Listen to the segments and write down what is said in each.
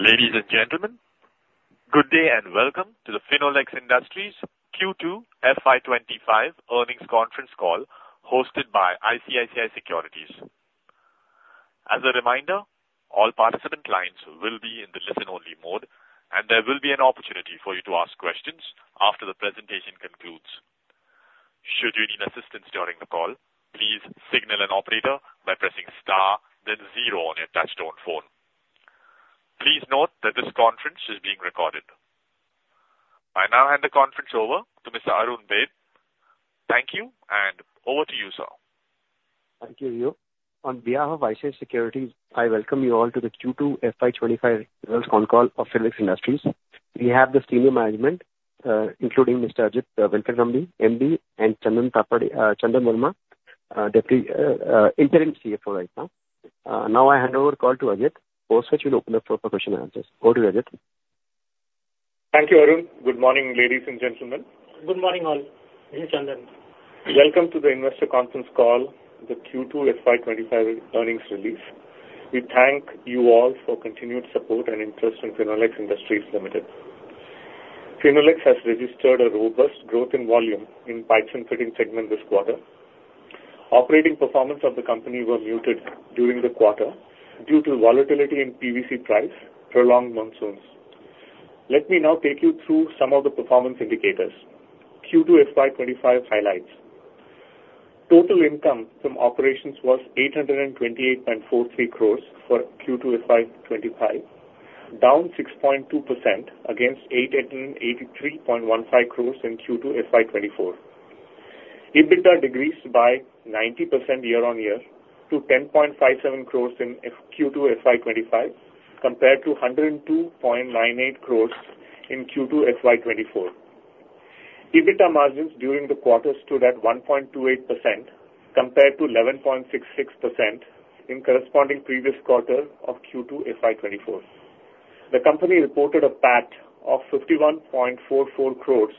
Ladies and gentlemen, good day and welcome to the Finolex Industries Q2 FY twenty-five earnings conference call, hosted by ICICI Securities. As a reminder, all participant lines will be in the listen-only mode, and there will be an opportunity for you to ask questions after the presentation concludes. Should you need assistance during the call, please signal an operator by pressing star, then zero on your touchtone phone. Please note that this conference is being recorded. I now hand the conference over to Mr. Arun Baid. Thank you, and over to you, sir. Thank you, Leo. On behalf of ICICI Securities, I welcome you all to the Q2 FY twenty-five results con call of Finolex Industries. We have the senior management, including Mr. Ajit Venkataraman, MD, and Chandan Verma, interim CFO right now. Now I hand over call to Ajit, who will open up for Q&A. Over to you, Ajit. Thank you, Arun. Good morning, ladies and gentlemen. Good morning, all. This is Chandan. Welcome to the investor conference call, the Q2 FY twenty-five earnings release. We thank you all for continued support and interest in Finolex Industries Limited. Finolex has registered a robust growth in volume in pipes and fittings segment this quarter. Operating performance of the company were muted during the quarter due to volatility in PVC price, prolonged monsoons. Let me now take you through some of the performance indicators. Q2 FY twenty-five highlights: Total income from operations was 828.43 crores for Q2 FY twenty-five, down 6.2% against 883.15 crores in Q2 FY twenty-four. EBITDA decreased by 90% year on year to 10.57 crores in Q2 FY twenty-five, compared to 102.98 crores in Q2 FY twenty-four. EBITDA margins during the quarter stood at 1.28%, compared to 11.66% in corresponding previous quarter of Q2 FY2024. The company reported a PAT of 51.44 crores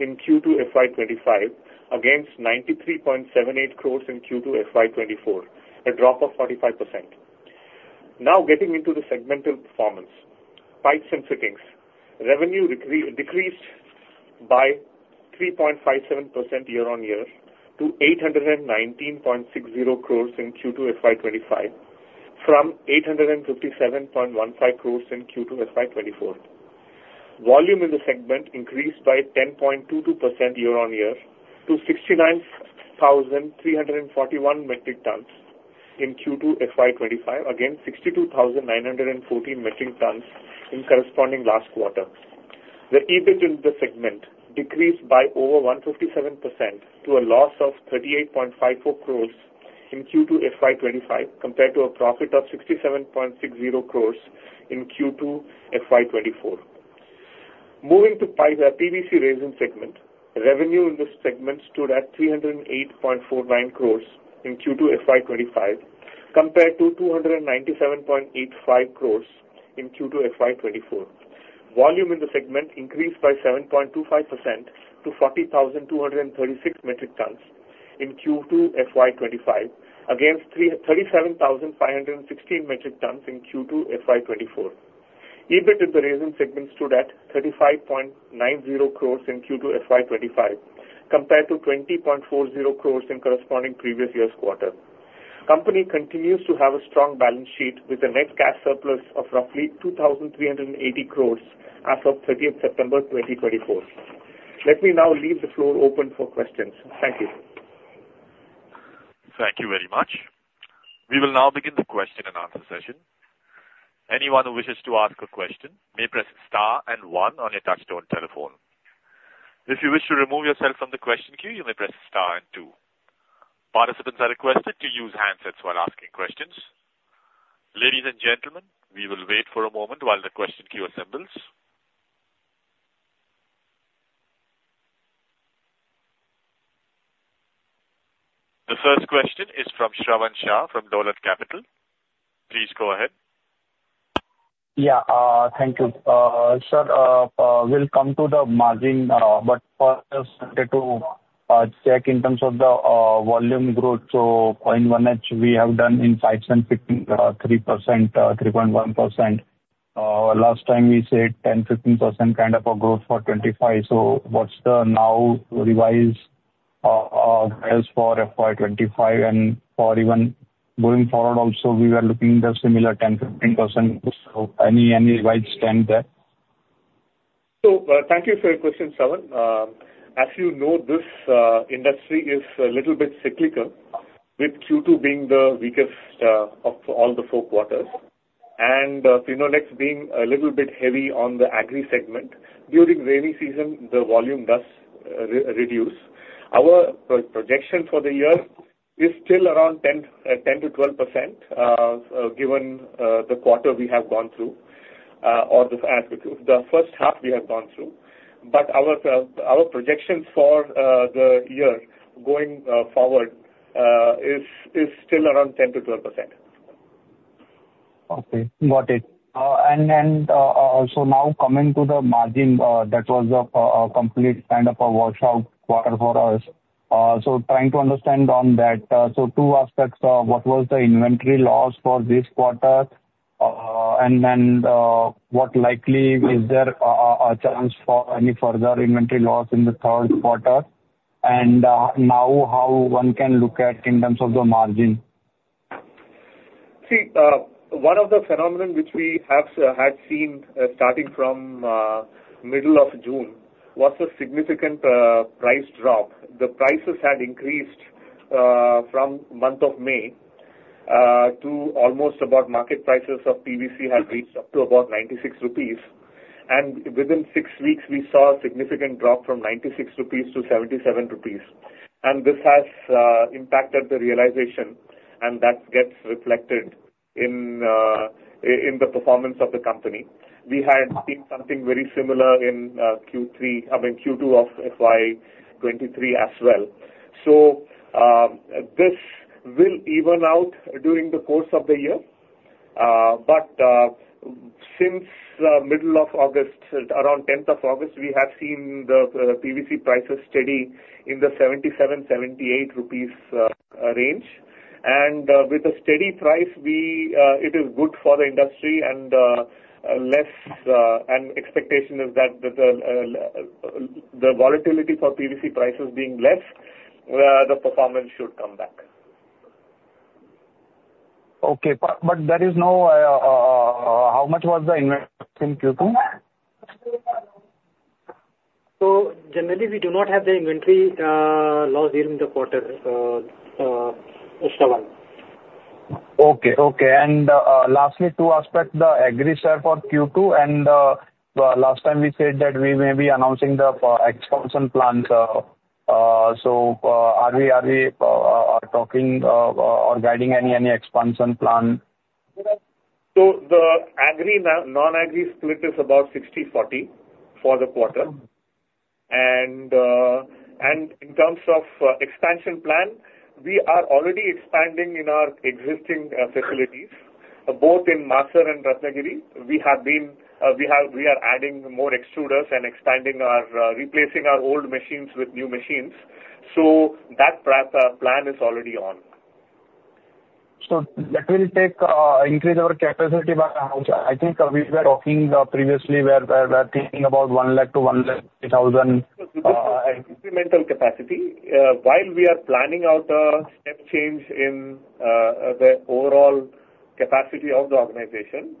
in Q2 FY2025 against 93.78 crores in Q2 FY2024, a drop of 45%. Now, getting into the segmental performance. Pipes and fittings. Revenue decreased by 3.57% year on year to 819.60 crores in Q2 FY2025, from 857.15 crores in Q2 FY2024. Volume in the segment increased by 10.22% year on year to 69,341 metric tons in Q2 FY2025, against 62,914 metric tons in corresponding last quarter. The EBIT in the segment decreased by over 157% to a loss of 38.54 crores in Q2 FY25, compared to a profit of 67.60 crores in Q2 FY24. Moving to pipe PVC resin segment. Revenue in this segment stood at 308.49 crores in Q2 FY25, compared to 297.85 crores in Q2 FY24. Volume in the segment increased by 7.25% to 40,236 metric tons in Q2 FY25, against 37,516 metric tons in Q2 FY24. EBIT in the resin segment stood at 35.90 crores in Q2 FY25, compared to 20.40 crores in corresponding previous year's quarter. company continues to have a strong balance sheet, with a net cash surplus of roughly 2,380 crores as of thirtieth September 2024. Let me now leave the floor open for questions. Thank you. Thank you very much. We will now begin the Q&A session. Anyone who wishes to ask a question may press star and one on your touchtone telephone. If you wish to remove yourself from the question queue, you may press star and two. Participants are requested to use handsets while asking questions. Ladies and gentlemen, we will wait for a moment while the question queue assembles. The first question is from Shravan Shah, from Dolat Capital. Please go ahead. Thank you. Sir, we'll come to the margin, but first I wanted to check in terms of the volume growth. So 1H, we have done in pipes and fittings 3%, 3.1%. Last time we said 10-15% a growth for 2025. So what's the now revised guidance for FY 2025 and for even going forward also, we were looking the similar 10-15%. So any deviation there? Thank you for your question, Shravan. As you know, this industry is a little bit cyclical, with Q2 being the weakest of all the four quarters, and Finolex being a little bit heavy on the agri segment. During rainy season, the volume does reduce. Our projection for the year is still around 10%-12%, given the quarter we have gone through, or the H1 we have gone through. But our projections for the year going forward is still around 10%-12%. Okay, got it. And so now coming to the margin, that was a complete a washout quarter for us. So trying to understand on that, so two aspects of what was the inventory loss for this quarter, and then, what likely is there a chance for any further inventory loss in the Q3? And now how one can look at in terms of the margin. See, one of the phenomenon which we have had seen starting from middle of June was a significant price drop. The prices had increased from month of May to almost about market prices of PVC had reached up to about 96 rupees. And within six weeks, we saw a significant drop from 96 rupees to 77 rupees. And this has impacted the realization, and that gets reflected in the performance of the company. We had seen something very similar in Q3, I mean, Q2 of FY 2023 as well. So, this will even out during the course of the year. But since middle of August, around 10th of August, we have seen the PVC prices steady in the 77-78 rupees range. With a steady price, it is good for the industry and less. Expectation is that the volatility for PVC prices being less, the performance should come back. Okay. But there is no, how much was the in Q2? So generally, we do not have the inventory loss during the quarter this time. Okay, okay. And lastly, two aspects, the agri share for Q2, and last time we said that we may be announcing the expansion plans. So, are we talking or guiding any expansion plan? So the agri, non-agri split is about 60/40 for the quarter. And in terms of expansion plan, we are already expanding in our existing facilities, both in Masar and Ratnagiri. We are adding more extruders and expanding, replacing our old machines with new machines. So that plan is already on. So that will take increase our capacity. But we were talking previously. We're thinking about one lakh to one lakh eight thousand. Incremental capacity. While we are planning out a step change in the overall capacity of the organization,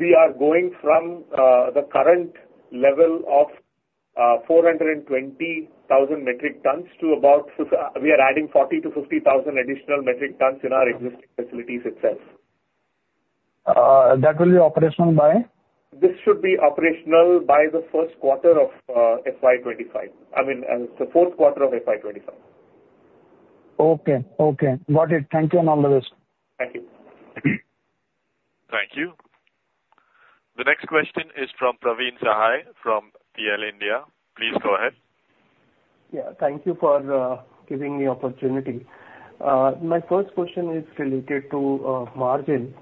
we are going from the current level of four hundred and twenty thousand metric tons to about, we are adding forty to fifty thousand additional metric tons in our existing facilities itself. That will be operational by? This should be operational by the Q1 of FY twenty-five. I mean, the Q4 of FY twenty-five. Okay. Okay, got it. Thank you, and all the best. Thank you. Thank you. The next question is from Praveen Sahay from PL India. Please go ahead. Thank you for giving me opportunity. My first question is related to margin.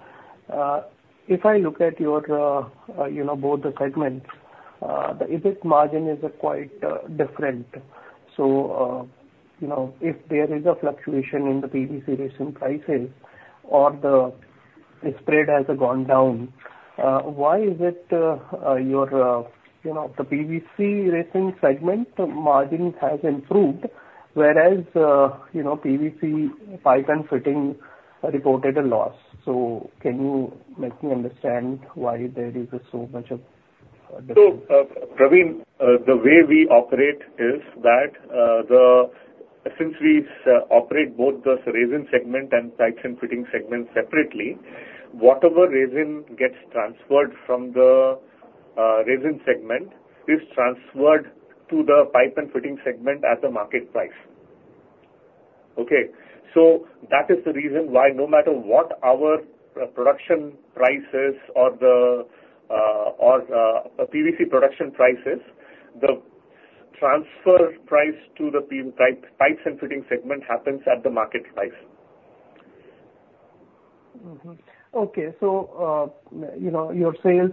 If I look at your, you know, both the segments, the EBIT margin is quite different. So, you know, if there is a fluctuation in the PVC resin prices or the spread has gone down, why is it your, you know, the PVC resin segment margin has improved, whereas, you know, PVC pipe and fitting reported a loss? So can you make me understand why there is so much of difference? So, Praveen, the way we operate is that since we operate both the resin segment and pipes and fitting segment separately, whatever resin gets transferred from the resin segment is transferred to the pipe and fitting segment at the market price. Okay, so that is the reason why no matter what our production price is or the PVC production price is, the transfer price to the pipes and fitting segment happens at the market price. Mm-hmm. Okay. So, you know, your external sales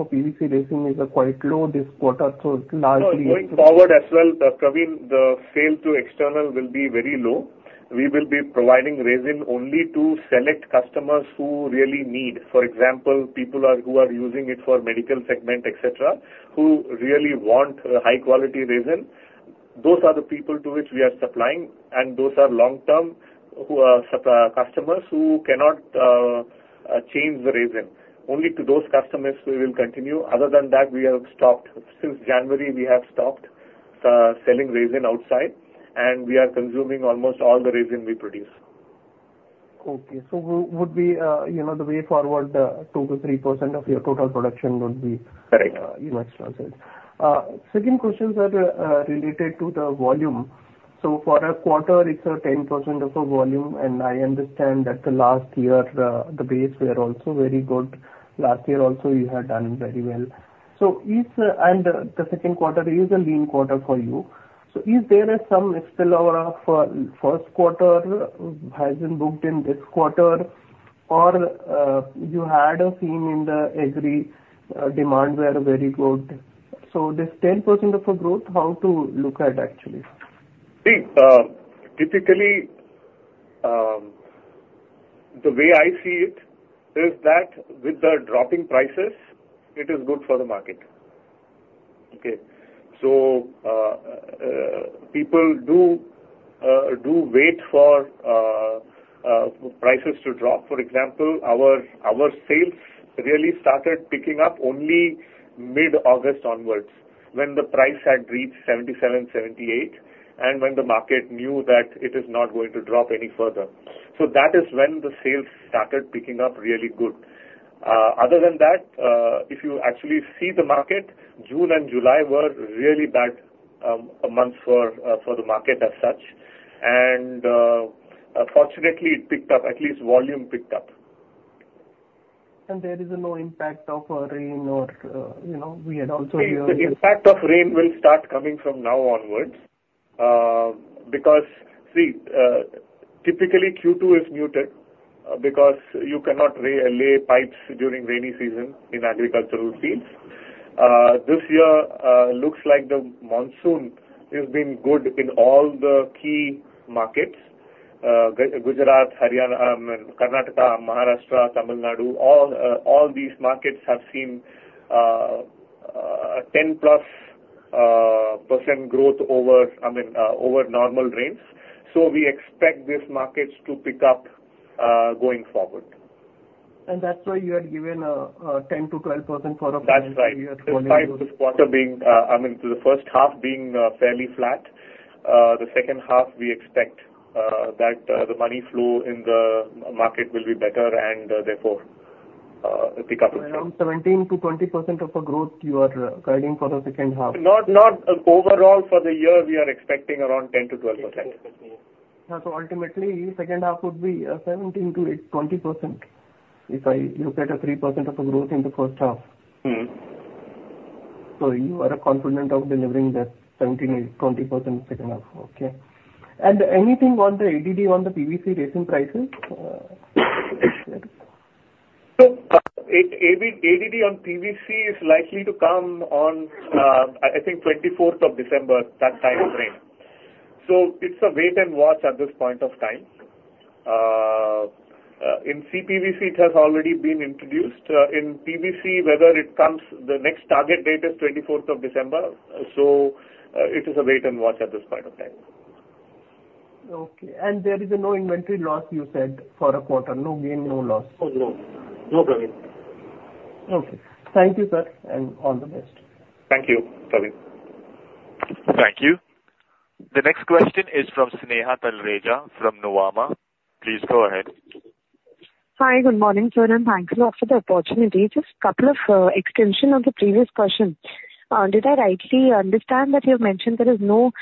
of PVC resin is quite low this quarter, so largely- Going forward as well, Praveen, the sale to external will be very low. We will be providing resin only to select customers who really need, for example, people who are using it for medical segment, et cetera, who really want a high quality resin. Those are the people to which we are supplying, and those are long-term, who are such customers who cannot change the resin. Only to those customers we will continue. Other than that, we have stopped. Since January, we have stopped selling resin outside, and we are consuming almost all the resin we produce. Okay. So would we, you know, the way forward, 2%-3% of your total production would be- Correct. You know, transferred. Second question is related to the volume. So for a quarter, it's a 10% of the volume, and I understand that the last year, the base were also very good. Last year also, you had done very well. So is and the Q2 is a lean quarter for you. So is there some spillover of Q1 has been booked in this quarter? Or you had a theme in the agri demand were very good. So this 10% of the growth, how to look at actually? See, typically, the way I see it is that with the dropping prices, it is good for the market. Okay? So, people do wait for prices to drop. For example, our sales really started picking up only mid-August onwards, when the price had reached 77, 78, and when the market knew that it is not going to drop any further. So that is when the sales started picking up really good. Other than that, if you actually see the market, June and July were really bad months for the market as such, and fortunately, it picked up, at least volume picked up. And there is no impact of rain or, you know, we had also heard- The impact of rain will start coming from now onwards, because, see, typically Q2 is muted, because you cannot lay pipes during rainy season in agricultural fields. This year, looks like the monsoon has been good in all the key markets, Gujarat, Haryana, Karnataka, Maharashtra, Tamil Nadu. All these markets have seen 10+ % growth over, I mean, over normal rains. So we expect these markets to pick up going forward. And that's why you had given a 10%-12% for the- That's right. Despite this quarter being, I mean, the H1 being fairly flat, the H2, we expect that the money flow in the market will be better, and therefore, a pick up as well. Around 17%-20% of the growth you are guiding for the H2. Overall, for the year, we are expecting around 10%-12%. So ultimately, H2 would be 17%-20%, if I look at a 3% of the growth in the H1. Mm-hmm. So you are confident of delivering that 17%-20% H2. Okay. And anything on the ADD, on the PVC raising prices? ADD on PVC is likely to come on, 24th of December, that time frame. It's a wait and watch at this point of time. In CPVC, it has already been introduced. In PVC, whether it comes, the next target date is twenty-fourth of December, so it is a wait and watch at this point of time. Okay. And there is no inventory loss, you said, for a quarter? No gain, no loss. Oh, no. No gain. Okay. Thank you, sir, and all the best. Thank you, Praveen. Thank you. The next question is from Sneha Talreja from Nuvama. Please go ahead. Hi, good morning, sir, and thanks a lot for the opportunity. Just couple of extension on the previous question. Did I rightly understand that you mentioned there is no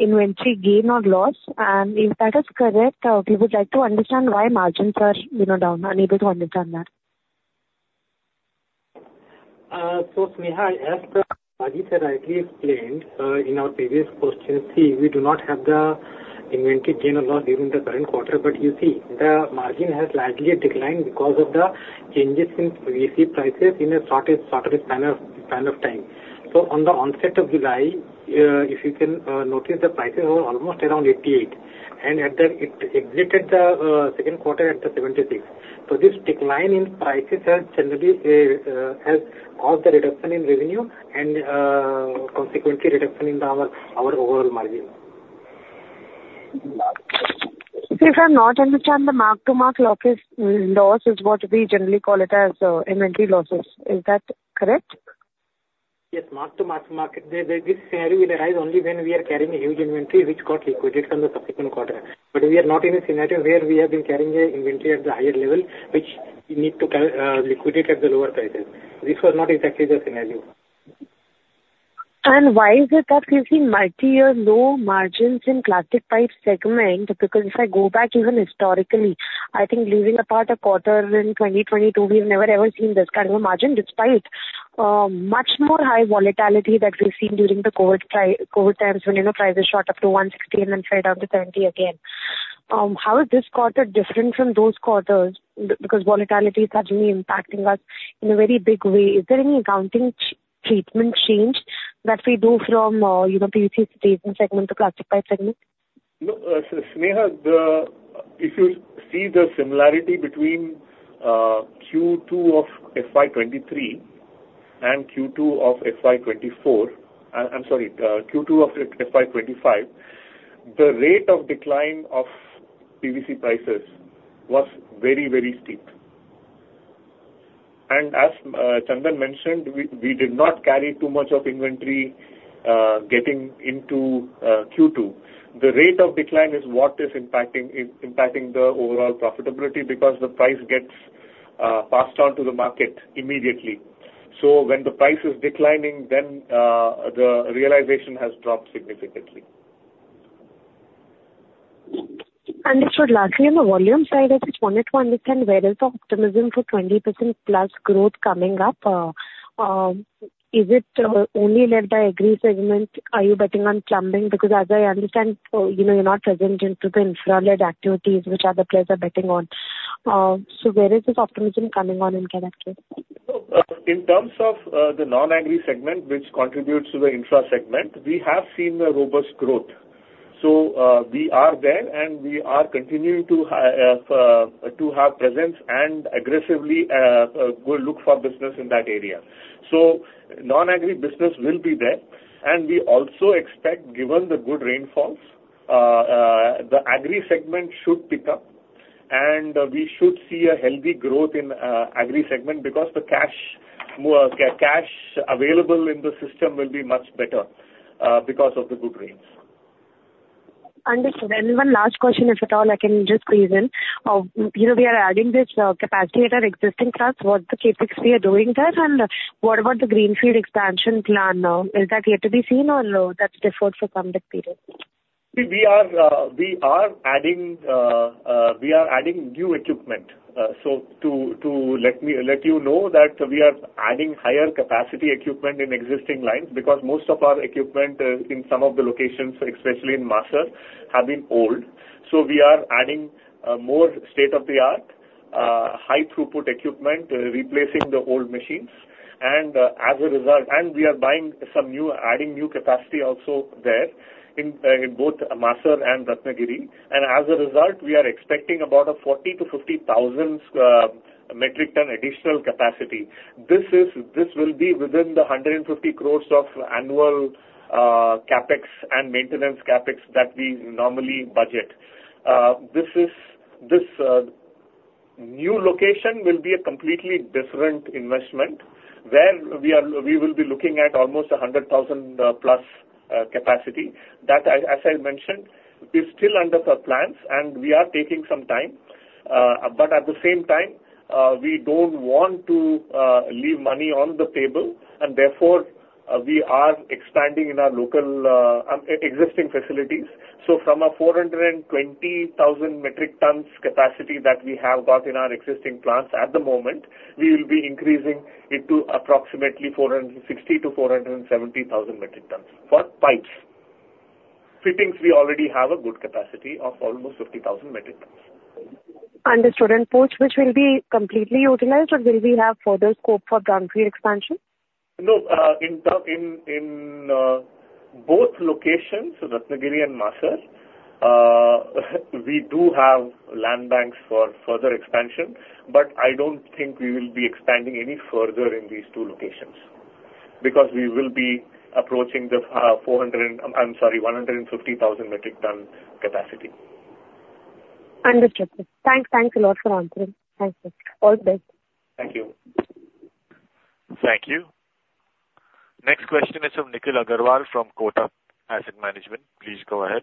inventory gain or loss? And if that is correct, we would like to understand why margins are, you know, down. I needed to understand that. So, Sneha, as Ajit has rightly explained in our previous questions, we do not have the inventory gain or loss during the current quarter. But you see, the margin has largely declined because of the changes in PVC prices in a shorter span of time. So on the onset of July, if you can notice the prices were almost around 88, and it exited the Q2 at the 76. So this decline in prices has generally caused the reduction in revenue and consequently reduction in our overall margin. If I don't understand the mark-to-market losses, loss is what we generally call it as, inventory losses. Is that correct? Yes, mark-to-market. This scenario will arise only when we are carrying a huge inventory, which got liquidated on the subsequent quarter. But we are not in a scenario where we have been carrying an inventory at the higher level, which we need to liquidate at the lower prices. This was not exactly the scenario. Why is it that we've seen multi-year low margins in plastic pipe segment? Because if I go back even historically, leaving apart a quarter in twenty twenty-two, we've never ever seen this a margin, despite much more high volatility that we've seen during the COVID times, when, you know, prices shot up to one sixty and then fell down to twenty again. How is this quarter different from those quarters? Because volatility is certainly impacting us in a very big way. Is there any accounting treatment change that we do from, you know, PVC segment to plastic pipe segment? No, Sneha, the, if you see the similarity between Q2 of FY 2023 and Q2 of FY 2024, I'm sorry, Q2 of FY 2025, the rate of decline of PVC prices was very, very steep. And as Chandan mentioned, we did not carry too much of inventory getting into Q2. The rate of decline is what is impacting impacting the overall profitability, because the price gets passed on to the market immediately. So when the price is declining, then the realization has dropped significantly. This was largely on the volume side. I just wanted to understand where is the optimism for 20% plus growth coming up. Is it only led by agri segment? Are you betting on plumbing? Because as I understand, you know, you're not present into the infra-led activities, which other players are betting on. Where is this optimism coming on in that case? So, in terms of the non-agri segment, which contributes to the infra segment, we have seen a robust growth. So, we are there, and we are continuing to have presence and aggressively go look for business in that area. So non-agri business will be there, and we also expect, given the good rainfalls, the agri segment should pick up, and we should see a healthy growth in agri segment because the cash available in the system will be much better because of the good rains. Understood. And one last question, if at all I can just squeeze in. You know, we are adding this capacity at our existing plants, what's the CapEx we are doing there? And what about the greenfield expansion plan now, is that yet to be seen or no, that's deferred for coming period? We are adding new equipment. So to let you know that we are adding higher capacity equipment in existing lines, because most of our equipment in some of the locations, especially in Masar, have been old. So we are adding more state-of-the-art high throughput equipment replacing the old machines. And as a result, we are buying some new, adding new capacity also there, in both Masar and Ratnagiri. And as a result, we are expecting about a 40,000-50,000 metric ton additional capacity. This will be within the 150 crores of annual CapEx and maintenance CapEx that we normally budget. This new location will be a completely different investment, where we will be looking at almost a hundred thousand plus capacity. That, as I mentioned, is still under the plans, and we are taking some time, but at the same time, we don't want to leave money on the table, and therefore, we are expanding in our local existing facilities, so from a four hundred and twenty thousand metric tons capacity that we have got in our existing plants at the moment, we will be increasing it to approximately four hundred and sixty to four hundred and seventy thousand metric tons for pipes. Fittings, we already have a good capacity of almost fifty thousand metric tons. Understood, and which will be completely utilized, or will we have further scope for greenfield expansion? No, in terms of both locations, Ratnagiri and Masar, we do have land banks for further expansion, but I don't think we will be expanding any further in these two locations, because we will be approaching the four hundred, I'm sorry, one hundred and fifty thousand metric ton capacity. Understood, sir. Thanks, thanks a lot for answering. Thank you. All the best. Thank you. Thank you. Next question is from Nikhil Agarwal, from Kotak Asset Management. Please go ahead.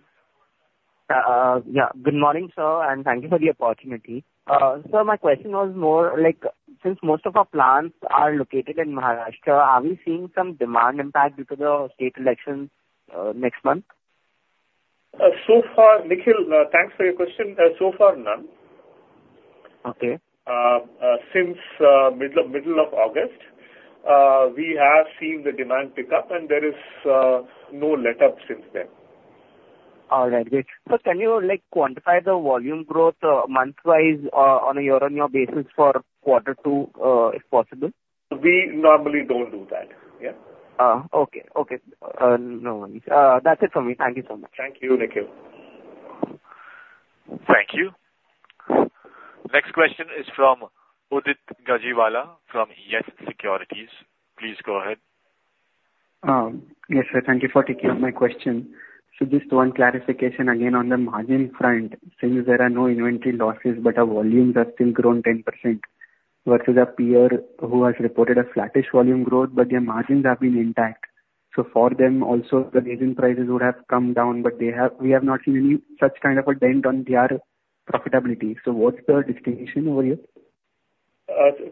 Good morning, sir, and thank you for the opportunity. Sir, my question was more like, since most of our plants are located in Maharashtra, are we seeing some demand impact due to the state elections next month? So far, Nikhil, thanks for your question. So far, none. Okay. Since middle of August, we have seen the demand pick up, and there is no letup since then. All right, great. So can you, like, quantify the volume growth, month-wise, on a year-on-year basis for quarter two, if possible? We normally don't do that. Okay, okay. No worries. That's it from me. Thank you so much. Thank you, Nikhil. Thank you. Next question is from Udit Gajiwala from YES Securities. Please go ahead. Yes, sir, thank you for taking up my question. So just one clarification again on the margin front. Since there are no inventory losses, but our volumes are still growing 10%, versus our peer, who has reported a flattish volume growth, but their margins have been intact. So for them also, the resin prices would have come down, but they have, we have not seen any such a dent on their profitability. So what's the distinction over here?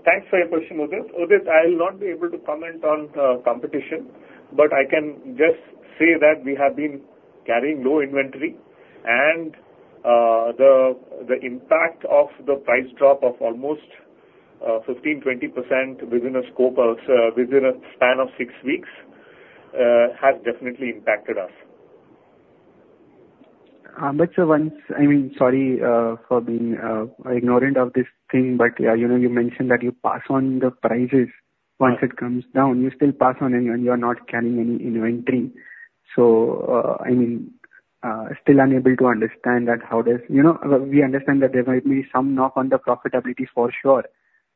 Thanks for your question, Udit. Udit, I will not be able to comment on competition, but I can just say that we have been carrying low inventory, and the impact of the price drop of almost 15%-20% within a span of six weeks has definitely impacted us. I mean, sorry for being ignorant of this thing, but you know, you mentioned that you pass on the prices once it comes down. You still pass on and you are not carrying any inventory. So, I mean, still unable to understand that how does... You know, we understand that there might be some knock on the profitability for sure,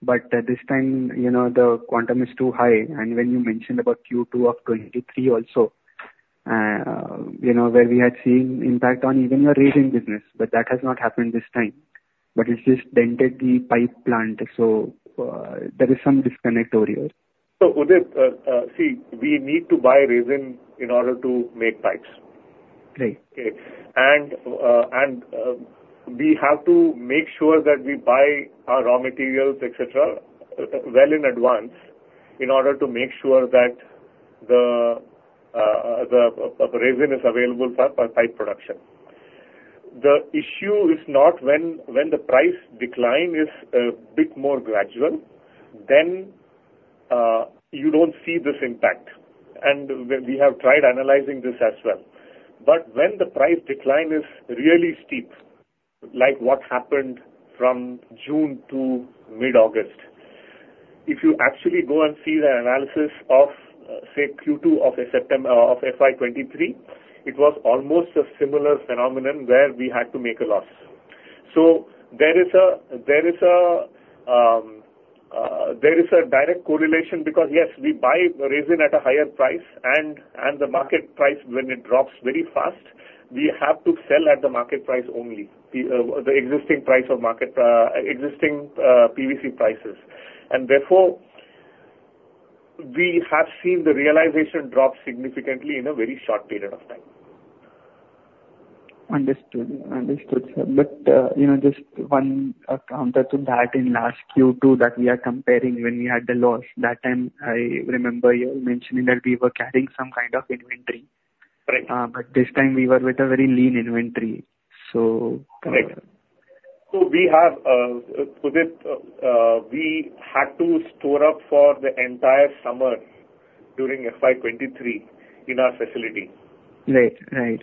but this time, you know, the quantum is too high. And when you mentioned about Q2 of 2023 also, you know, where we had seen impact on even your resin business, but that has not happened this time. But it's just dented the pipe plant, so there is some disconnect over here. So Udit, see, we need to buy resin in order to make pipes. Right. Okay, and we have to make sure that we buy our raw materials, et cetera, well in advance, in order to make sure that the resin is available for pipe production. The issue is not when the price decline is a bit more gradual, then you don't see this impact, and we have tried analyzing this as well. But when the price decline is really steep, like what happened from June to mid-August, if you actually go and see the analysis of, say, Q2 of September of FY 2023, it was almost a similar phenomenon where we had to make a loss. So there is a direct correlation, because yes, we buy resin at a higher price, and the market price, when it drops very fast, we have to sell at the market price only, the existing price of market, existing PVC prices. And therefore, we have seen the realization drop significantly in a very short period of time. Understood. Understood, sir. But you know, just one counter to that, in last Q2 that we are comparing when we had the loss, that time I remember you mentioning that we were carrying some inventory. Right. But this time we were with a very lean inventory, so- Right. So we had to store up for the entire summer during FY 2023 in our facility. Right. Right.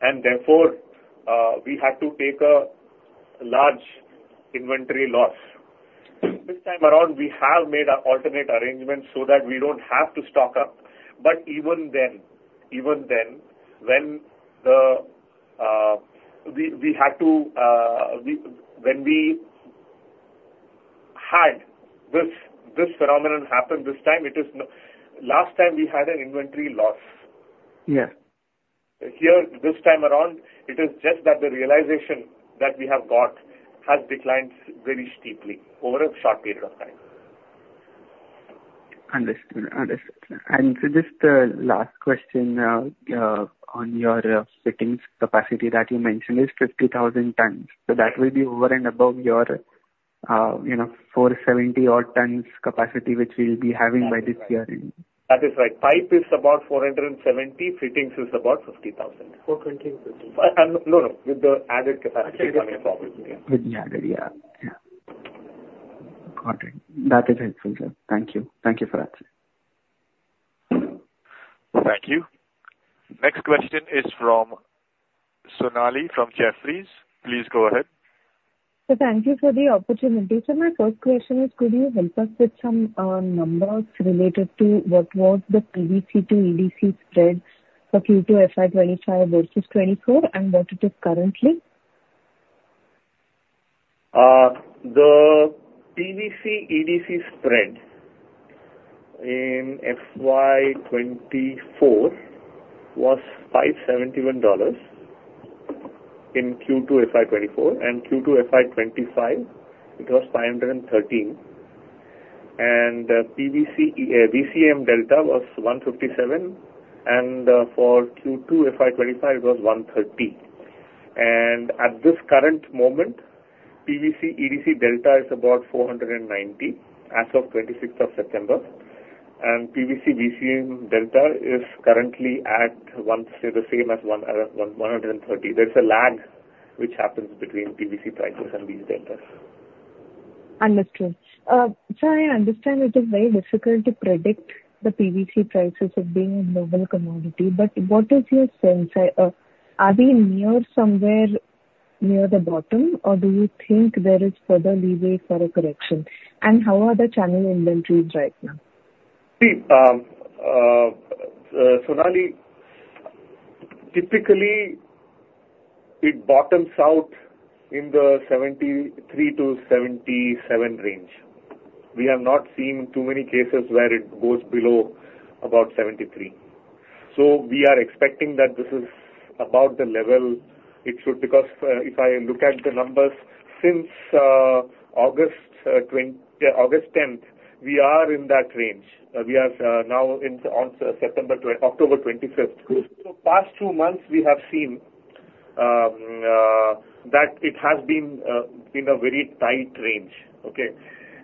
And therefore, we had to take a large inventory loss. This time around, we have made an alternate arrangement so that we don't have to stock up, but even then, even then, when we had this phenomenon happen this time, it is not. Last time we had an inventory loss. Yeah. Here, this time around, it is just that the realization that we have got has declined very steeply over a short period of time. Understood. And just, last question, on your fittings capacity that you mentioned is fifty thousand tons. So that will be over and above your, you know, four seventy odd tons capacity, which we'll be having by this year end. That is right. Pipe is about four hundred and seventy, fittings is about fifty thousand. Four twenty. No, no. With the added capacity coming forward. With the added. Got it. That is helpful, sir. Thank you. Thank you for that, sir. Thank you. Next question is from Sonali, from Jefferies. Please go ahead. Thank you for the opportunity, sir. My first question is, could you help us with some numbers related to what was the PVC to EDC spread for Q2 FY 2025 versus 2024, and what it is currently? The PVC EDC spread in FY 2024 was $571 in Q2 FY 2024, and in Q2 FY 2025, it was $513. The PVC VCM delta was $157, and for Q2 FY 2025, it was $130. At this current moment, the PVC EDC delta is about $490, as of 26th of September. The PVC VCM delta is currently at one, say, the same as one, one hundred and thirty. There's a lag which happens between PVC prices and these deltas. Understood. So I understand it is very difficult to predict the PVC prices of being a global commodity, but what is your sense, are we near somewhere near the bottom, or do you think there is further leeway for a correction? And how are the channel inventories right now? See, Sonali, typically, it bottoms out in the 73-77 range. We have not seen too many cases where it goes below about 73, so we are expecting that this is about the level it should, because if I look at the numbers, since August tenth, we are in that range. We are now in September, October twenty-fifth, so past two months, we have seen that it has been in a very tight range. Okay?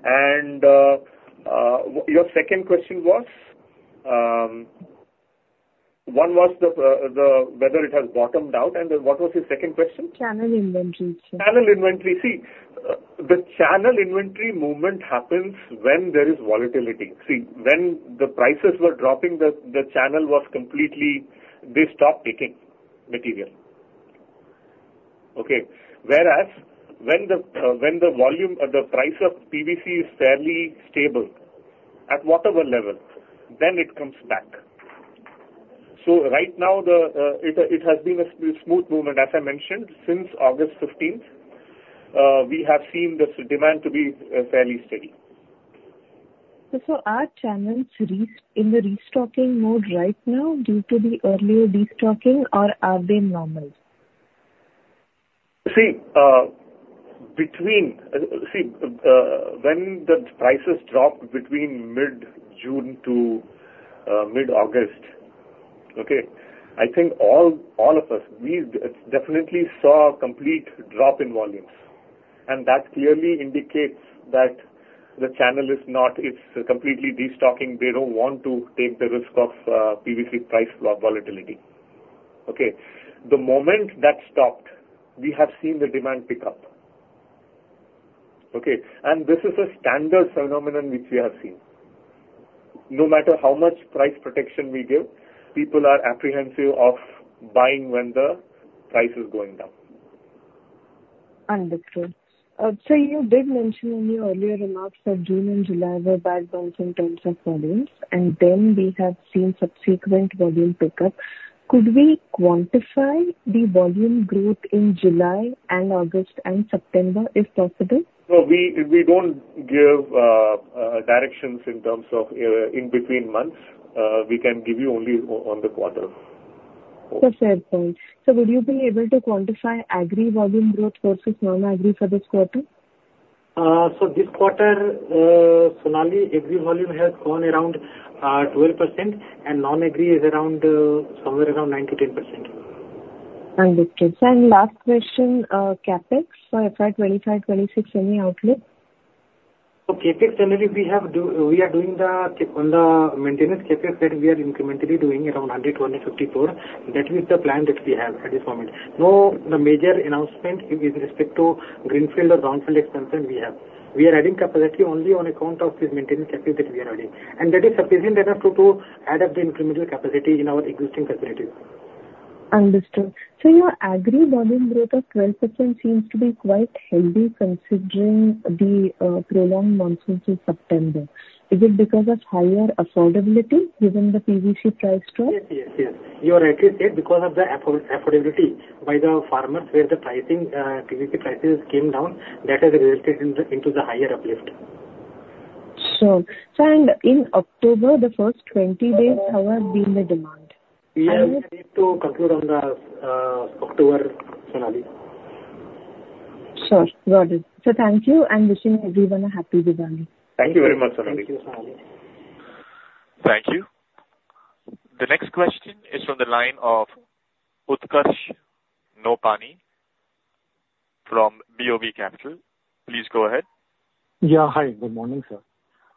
And your second question was, one was whether it has bottomed out, and then what was your second question? Channel inventories. Channel inventory. See, the channel inventory movement happens when there is volatility. See, when the prices were dropping, the channel was completely... They stopped taking material. Okay. Whereas, when the volume or the price of PVC is fairly stable at whatever level, then it comes back. So right now, it has been a smooth movement. As I mentioned, since August fifteenth, we have seen this demand to be fairly steady. So are channels in the restocking mode right now due to the earlier destocking, or are they normal? See, between, see, when the prices dropped between mid-June to mid-August, okay. All of us, we definitely saw a complete drop in volumes, and that clearly indicates that the channel is not, it's completely destocking. They don't want to take the risk of PVC price volatility. Okay? The moment that stopped, we have seen the demand pick up. Okay? And this is a standard phenomenon which we have seen. No matter how much price protection we give, people are apprehensive of buying when the price is going down. Understood. Sir, you did mention in your earlier remarks that June and July were bad months in terms of volumes, and then we have seen subsequent volume pick up. Could we quantify the volume growth in July and August and September, if possible? No, we don't give directions in terms of in between months. We can give you only on the quarter. For sure, sir. Sir, would you be able to quantify agri volume growth versus non-agri for this quarter? So, this quarter, Sonali, agri volume has grown around 12%, and non-agri is around somewhere around 9%-10%. Understood. And last question, CapEx for FY 2025, 2026, any outlook? CapEx, generally, we are doing on the maintenance CapEx that we are incrementally doing around 100-150 crore. That is the plan that we have at this moment. No, the major announcement with respect to greenfield or brownfield expansion we have. We are adding capacity only on account of this maintenance CapEx that we are adding, and that is sufficient enough to add up the incremental capacity in our existing capacity. Understood. So your agri volume growth of 12% seems to be quite healthy, considering the prolonged monsoon through September. Is it because of higher affordability, given the PVC price drop? Yes, yes, yes. You are right. It's because of the affordability by the farmers, where the pricing, PVC prices came down, that has resulted into the higher uplift. Sure. So, in October, the first twenty days, how has been the demand? We have yet to conclude on the October, Sonali. Sure, got it. So thank you, and wishing everyone a happy Diwali! Thank you very much, Sonali. Thank you, Sonali. Thank you. The next question is from the line of Utkarsh Nopany from BOB Capital Markets. Please go ahead. Hi, good morning, sir.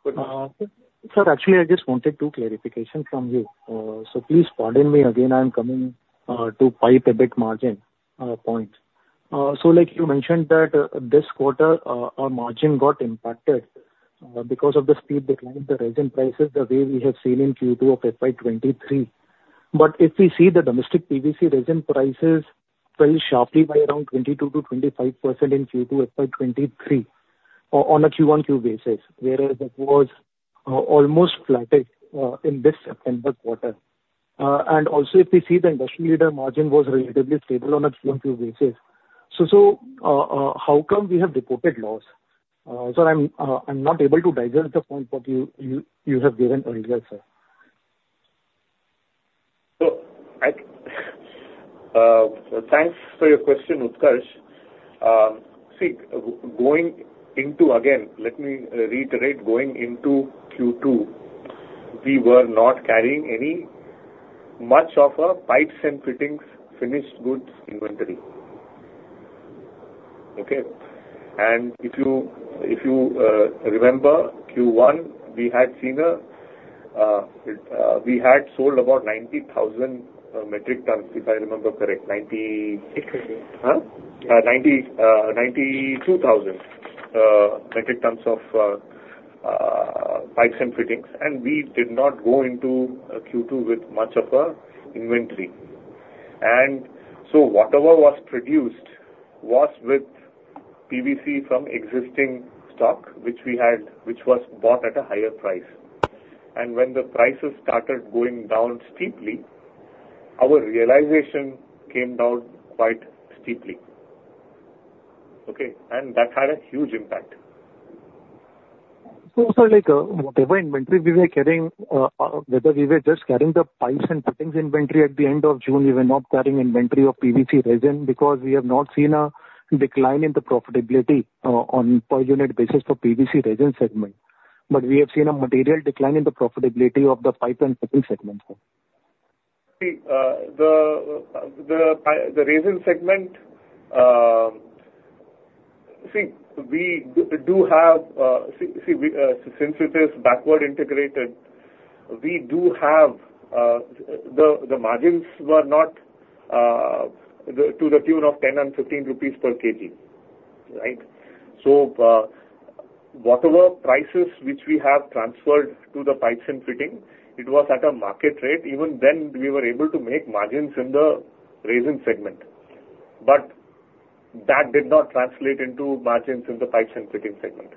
Good morning. Sir, actually, I just wanted two clarifications from you. So please pardon me again, I'm coming to pipe EBIT margin point. So like you mentioned that this quarter our margin got impacted because of the steep decline in the resin prices, the way we have seen in Q2 of FY 2023. But if we see the domestic PVC resin prices fell sharply by around 22%-25% in Q2 FY 2023 on a Q-o-Q basis, whereas it was almost flat in this September quarter. And also, if we see the industry leader margin was relatively stable on a Q-o-Q basis. So how come we have reported loss? So I'm not able to digest the point that you have given earlier, sir. Thanks for your question, Utkarsh. See, going into, again, let me reiterate, going into Q2, we were not carrying any much of a pipes and fittings finished goods inventory. Okay? And if you remember Q1, we had sold about 90,000 metric tons, if I remember correct.92,000 metric tons of pipes and fittings, and we did not go into Q2 with much of a inventory. And so whatever was produced was with PVC from existing stock, which we had, which was bought at a higher price. And when the prices started going down steeply, our realization came down quite steeply, okay? And that had a huge impact. So, sir, like, whatever inventory we were carrying, whether we were just carrying the pipes and fittings inventory at the end of June, we were not carrying inventory of PVC resin, because we have not seen a decline in the profitability, on per unit basis for PVC resin segment. But we have seen a material decline in the profitability of the pipe and fitting segment, sir. See, the resin segment. See, we do have, since it is backward integrated, we do have. The margins were not to the tune of 10-15 rupees per kg, right? So, whatever prices which we have transferred to the pipes and fittings, it was at a market rate. Even then, we were able to make margins in the resin segment, but that did not translate into margins in the pipes and fittings segment.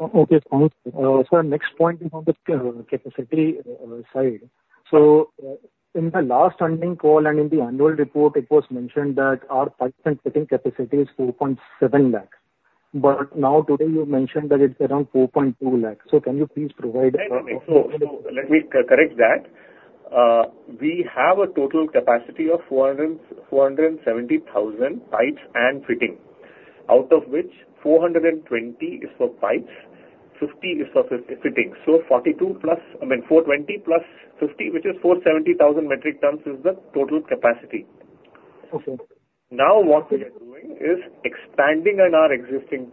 Okay, sir. Sir, next point is on the capacity side. So, in the last earnings call and in the annual report, it was mentioned that our pipe and fitting capacity is 4.7 lakh. But now today you've mentioned that it's around 4.2 lakh. So can you please provide? No, no, so let me correct that. We have a total capacity of four hundred and seventy thousand pipes and fittings, out of which four hundred and twenty is for pipes. Fifty is for fittings. So forty-two plus, I mean, four twenty plus fifty, which is four seventy thousand metric tons, is the total capacity. Okay. Now, what we are doing is expanding in our existing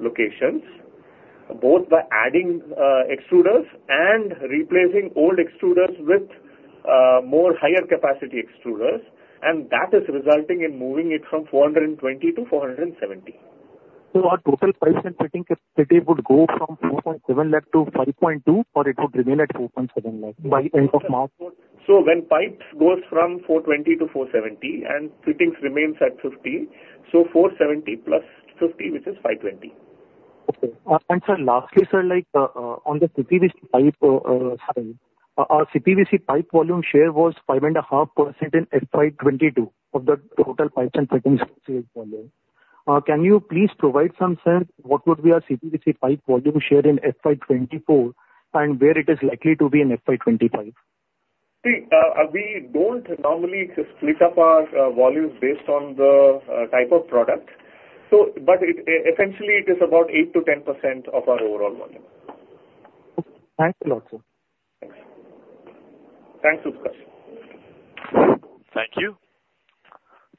locations, both by adding extruders and replacing old extruders with more higher capacity extruders, and that is resulting in moving it from four hundred and twenty to four hundred and seventy. So our total pipes and fittings capacity would go from 4.7 lakh to 5.2, or it would remain at 4.7 lakh by end of March? So, when pipes goes from 420 to 470 and fittings remains at 50, so 470 plus 50, which is 520. Okay. And sir, lastly, sir, like, on the CPVC pipe, sorry. Our CPVC pipe volume share was 5.5% in FY 2022 of the total pipes and fittings sales volume. Can you please provide some sense what would be our CPVC pipe volume share in FY 2024, and where it is likely to be in FY 2025? See, we don't normally split up our volumes based on the type of product. So but it, essentially, it is about eight to 10% of our overall volume. Okay. Thanks a lot, sir. Thanks, Utkarsh. Thank you.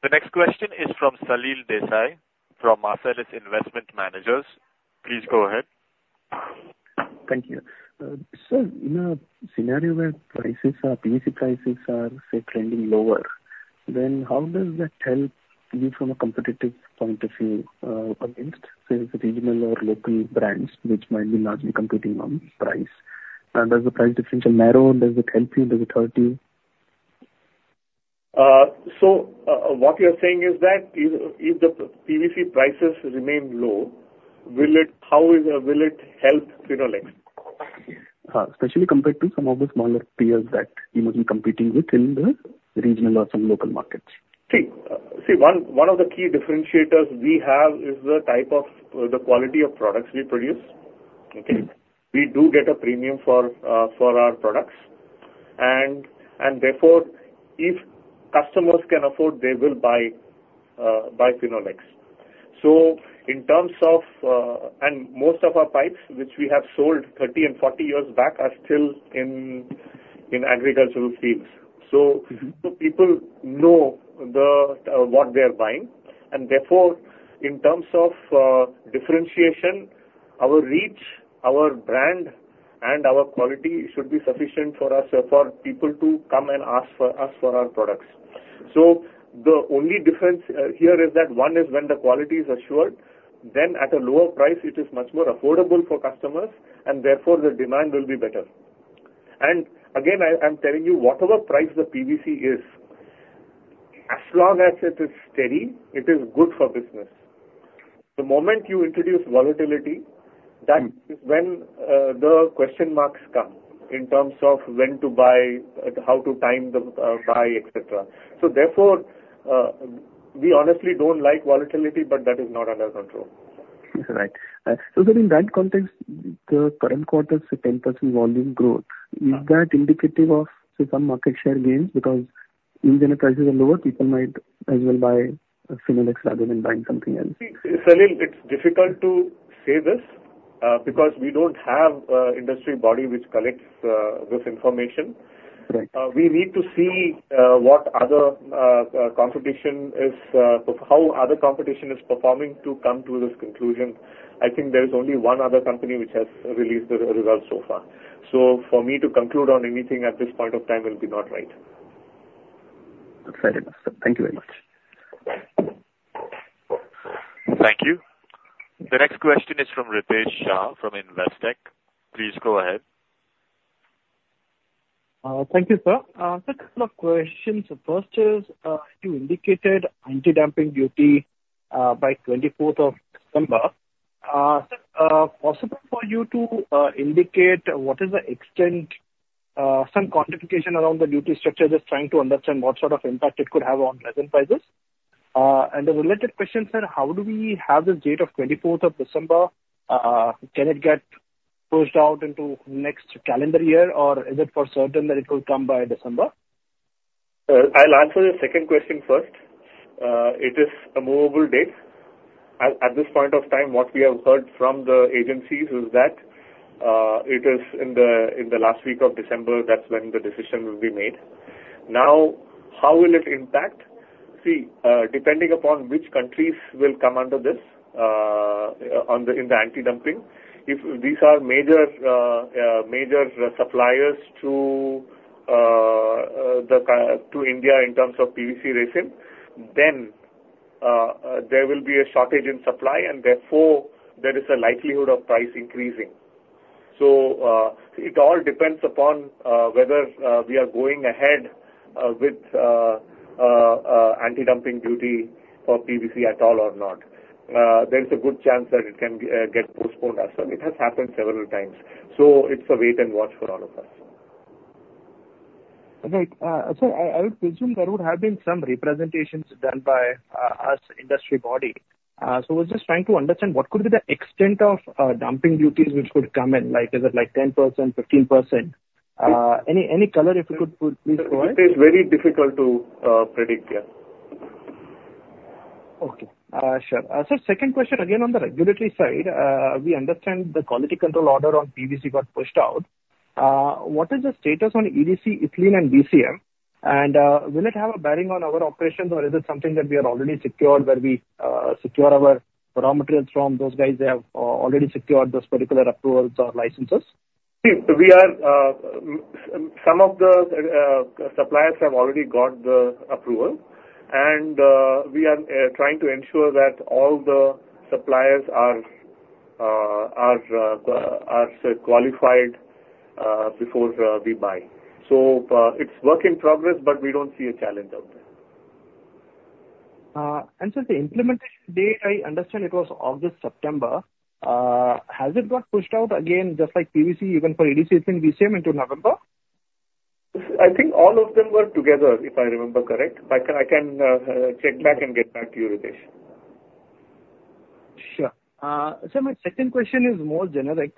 The next question is from Salil Desai, from Marcellus Investment Managers. Please go ahead. Thank you. So in a scenario where prices are, PVC prices are, say, trending lower, then how does that help you from a competitive point of view, against, say, the regional or local brands which might be largely competing on price? And does the price differential narrow? Does it help you? Does it hurt you? So, what you're saying is that if the PVC prices remain low, will it... How is, will it help Finolex? Especially compared to some of the smaller peers that you might be competing with in the regional or some local markets. One of the key differentiators we have is the type of, the quality of products we produce. Okay. We do get a premium for our products. And therefore, if customers can afford, they will buy Finolex. So in terms of... And most of our pipes, which we have sold 30 and 40 years back, are still in agricultural fields. Mm-hmm. So people know what they are buying, and therefore, in terms of differentiation, our reach, our brand, and our quality should be sufficient for us for people to come and ask for our products. So the only difference here is that one is when the quality is assured, then at a lower price, it is much more affordable for customers, and therefore, the demand will be better. And again, I'm telling you, whatever price the PVC is, as long as it is steady, it is good for business. The moment you introduce volatility- Mm. That is when the question marks come in terms of when to buy, how to time the buy, et cetera. So therefore, we honestly don't like volatility, but that is not under our control. Right. So then in that context, the current quarter's 10% volume growth- Uh. Is that indicative of, say, some market share gains? Because even if prices are lower, people might as well buy Finolex rather than buying something else. See, Salil, it's difficult to say this, because we don't have an industry body which collects this information. Right. We need to see what other competition is, how other competition is performing to come to this conclusion. There is only one other company which has released the results so far. So for me to conclude on anything at this point of time will be not right. Fair enough, sir. Thank you very much. Thank you. The next question is from Ritesh Shah, from Investec. Please go ahead. Thank you, sir. So a couple of questions. So first is, you indicated anti-dumping duty by twenty-fourth of December. Sir, possible for you to indicate what is the extent, some quantification around the duty structure? Just trying to understand what impact it could have on present prices. And a related question, sir: How do we have this date of twenty-fourth of December? Can it get pushed out into next calendar year, or is it for certain that it will come by December? I'll answer the second question first. It is a movable date. At this point of time, what we have heard from the agencies is that it is in the last week of December. That's when the decision will be made. Now, how will it impact? See, depending upon which countries will come under this, in the anti-dumping, if these are major suppliers to India in terms of PVC resin, then there will be a shortage in supply, and therefore, there is a likelihood of price increasing. So, it all depends upon whether we are going ahead with anti-dumping duty for PVC at all or not. There's a good chance that it can get postponed as well. It has happened several times, so it's a wait and watch for all of us. Right. So I would presume there would have been some representations done by us, industry body. So I was just trying to understand, what could be the extent of dumping duties which could come in, like, is it like 10%, 15%? Any color if you could please provide? It is very difficult to predict here.... Okay. Sure. So second question, again, on the regulatory side, we understand the quality control order on PVC got pushed out. What is the status on EDC, ethylene, and DCM? And, will it have a bearing on our operations, or is it something that we have already secured, where we secure our raw materials from those guys, they have already secured those particular approvals or licenses? See, some of the suppliers have already got the approval, and we are trying to ensure that all the suppliers are, say, qualified before we buy. So, it's work in progress, but we don't see a challenge out there. And since the implementation date, I understand it was August-September. Has it got pushed out again, just like PVC, even for EDC? It's in DCM into November? All of them were together, if I remember correct. But I can, check back and get back to you, Ritesh. Sure, so my second question is more generic.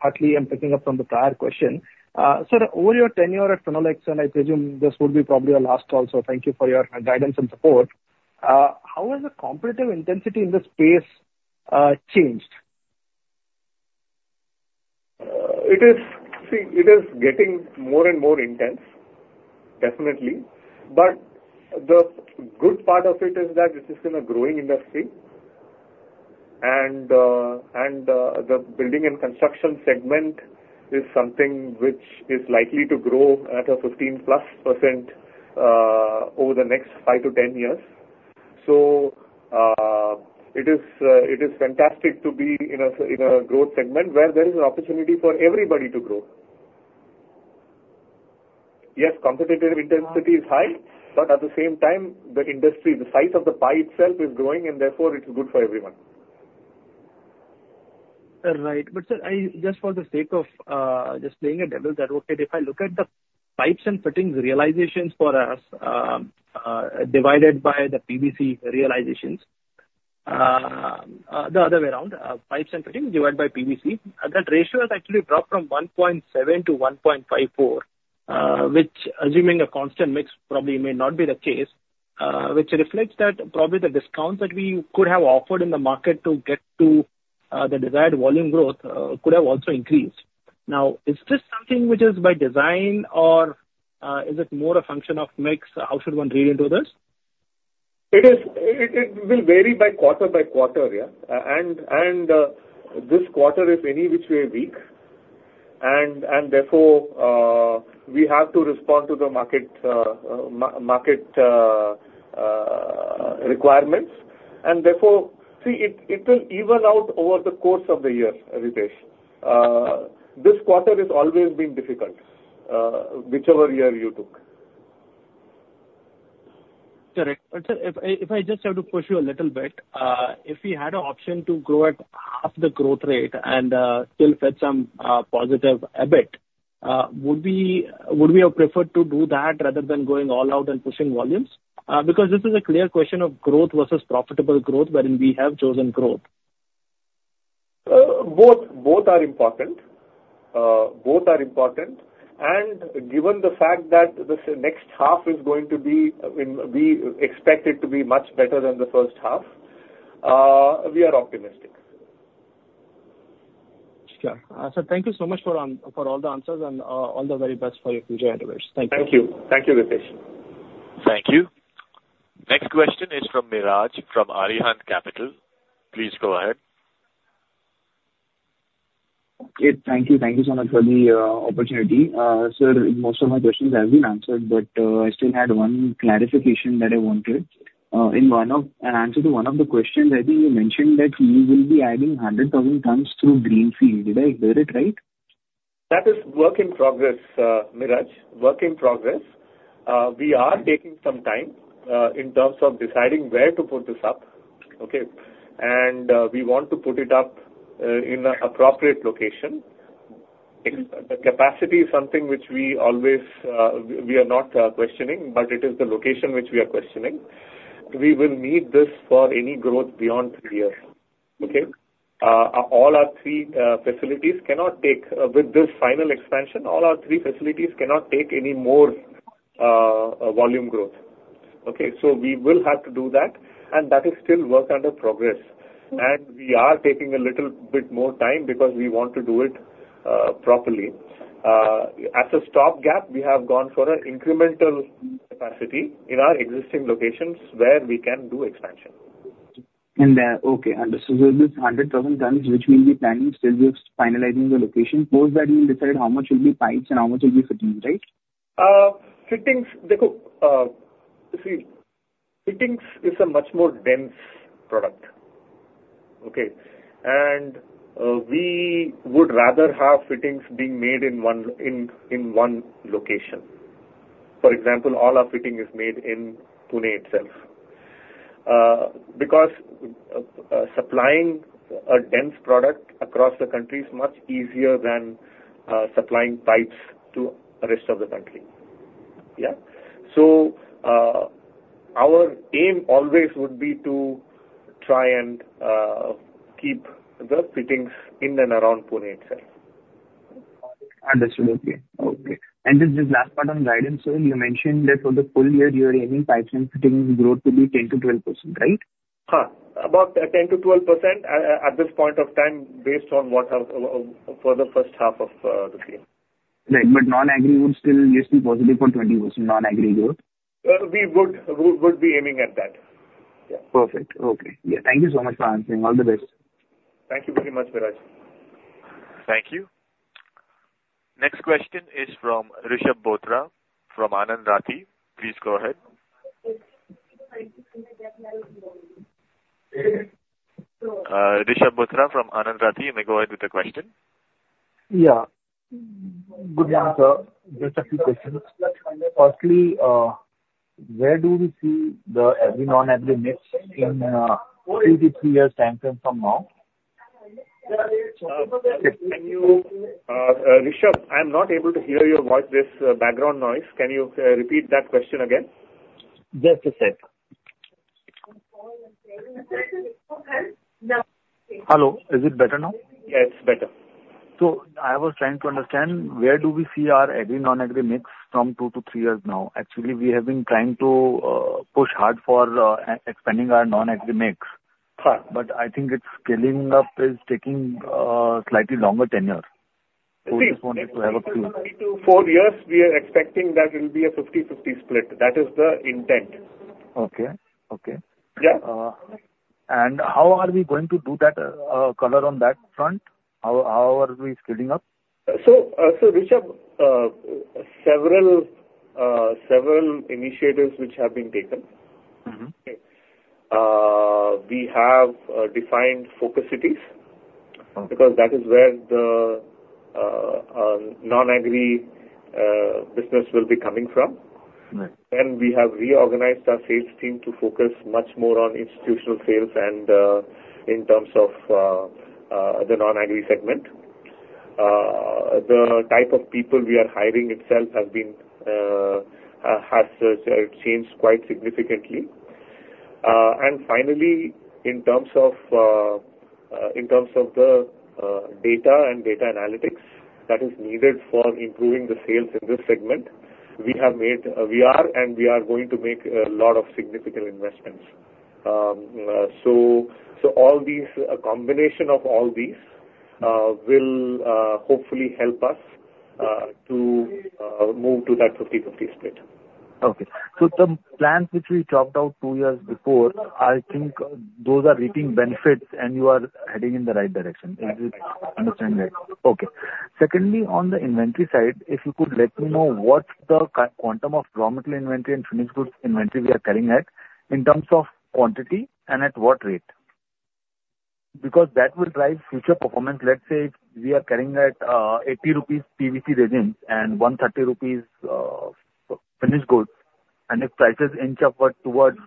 Partly I'm picking up from the prior question, so over your tenure at Finolex, and I presume this would be probably your last call, so thank you for your guidance and support, how has the competitive intensity in the space changed? See, it is getting more and more intense, definitely. But the good part of it is that this is in a growing industry, and, and, the building and construction segment is something which is likely to grow at a 15-plus% over the next 5 to 10 years. So, it is fantastic to be in a growth segment where there is an opportunity for everybody to grow. Yes, competitive intensity is high, but at the same time, the industry, the size of the pie itself is growing, and therefore it's good for everyone. Right. But, sir, I just for the sake of just playing a devil's advocate, if I look at the pipes and fittings realizations for us, divided by the PVC realizations, the other way around, pipes and fittings divided by PVC, that ratio has actually dropped from 1.7 to 1.54, which, assuming a constant mix, probably may not be the case, which reflects that probably the discounts that we could have offered in the market to get to the desired volume growth, could have also increased. Now, is this something which is by design, or is it more a function of mix? How should one read into this? It will vary quarter by quarter. And this quarter is any which way weak, and therefore we have to respond to the market requirements. And therefore, see, it will even out over the course of the year, Ritesh. This quarter has always been difficult, whichever year you took. Correct. But, sir, if I just have to push you a little bit, if we had an option to grow at half the growth rate and still get some positive EBIT, would we have preferred to do that rather than going all out and pushing volumes? Because this is a clear question of growth versus profitable growth, wherein we have chosen growth. Both are important, and given the fact that this next half is going to be, we expect it to be much better than the H1, we are optimistic. Sure. Sir, thank you so much for all the answers and all the very best for your future endeavors. Thank you. Thank you. Thank you, Ritesh. Thank you. Next question is from Viraj, from Arihant Capital. Please go ahead. Okay, thank you. Thank you so much for the opportunity. Sir, most of my questions have been answered, but I still had one clarification that I wanted. In an answer to one of the questions, you mentioned that you will be adding 100,000 tons through greenfield. Did I hear it right? That is work in progress, Viraj, work in progress. We are taking some time in terms of deciding where to put this up, okay? And we want to put it up in an appropriate location. The capacity is something which we are not questioning, but it is the location which we are questioning. We will need this for any growth beyond three years, okay? All our three facilities cannot take, with this final expansion, any more volume growth, okay? So we will have to do that, and that is still work in progress. And we are taking a little bit more time, because we want to do it properly. As a stopgap, we have gone for an incremental capacity in our existing locations where we can do expansion. And then, okay, understood. So this 100,000 tons, which we'll be planning, still just finalizing the location. Post that, you will decide how much will be pipes and how much will be fittings, right? Fittings, look, see, fittings is a much more dense product, okay? And, we would rather have fittings being made in one location. For example, all our fitting is made in Pune itself. Because, supplying a dense product across the country is much easier than, supplying pipes to the rest of the country. So, our aim always would be to try and, keep the fittings in and around Pune itself.... Understood, okay. Okay, and just this last part on guidance, so you mentioned that for the full year, you are aiming pipe and fitting growth to be 10%-12%, right? About 10%-12% at this point of time, based on what our for the H1 of the year. Right. But Non-Agri would still be positive for 20%, Non-Agri growth? We would be aiming at that. Perfect. Okay. Thank you so much for answering. All the best. Thank you very much, Viraj. Thank you. Next question is from Rishab Botra, from Anand Rathi. Please go ahead. Rishab Botra from Anand Rathi, you may go ahead with the question. Good morning, sir. Just a few questions. Firstly, where do we see the Agri, Non-Agri mix in two to three years timeframe from now? Rishabh, I'm not able to hear your voice with background noise. Can you repeat that question again? Just a sec. Hello, is it better now? Yes, better. I was trying to understand where do we see our Agri, non-Agri mix from two to three years now? Actually, we have been trying to push hard for expanding our non-Agri mix. Huh. But its scaling up is taking slightly longer tenure. See- So we just wanted to have a clue. Three to four years, we are expecting that will be a 50/50 split. That is the intent. Okay, okay. Yeah. And how are we going to do that, color on that front? How are we scaling up? So, Rishabh, several initiatives which have been taken. Mm-hmm. We have defined focus cities- Okay. Because that is where the non-Agri business will be coming from. Right. And we have reorganized our sales team to focus much more on institutional sales and in terms of the non-Agri segment. The type of people we are hiring itself has changed quite significantly. And finally, in terms of the data analytics that is needed for improving the sales in this segment, we have made, we are, and we are going to make a lot of significant investments. So all these, a combination of all these, will hopefully help us to move to that 50/50 split. Okay, so the plans which we chalked out two years before, those are reaping benefits and you are heading in the right direction. Correct. I understand that. Okay. Secondly, on the inventory side, if you could let me know what's the quantum of raw material inventory and finished goods inventory we are carrying out, in terms of quantity and at what rate? Because that will drive future performance. Let's say we are carrying at 80 rupees PVC resins and 130 rupees finished goods, and if prices inch upward towards,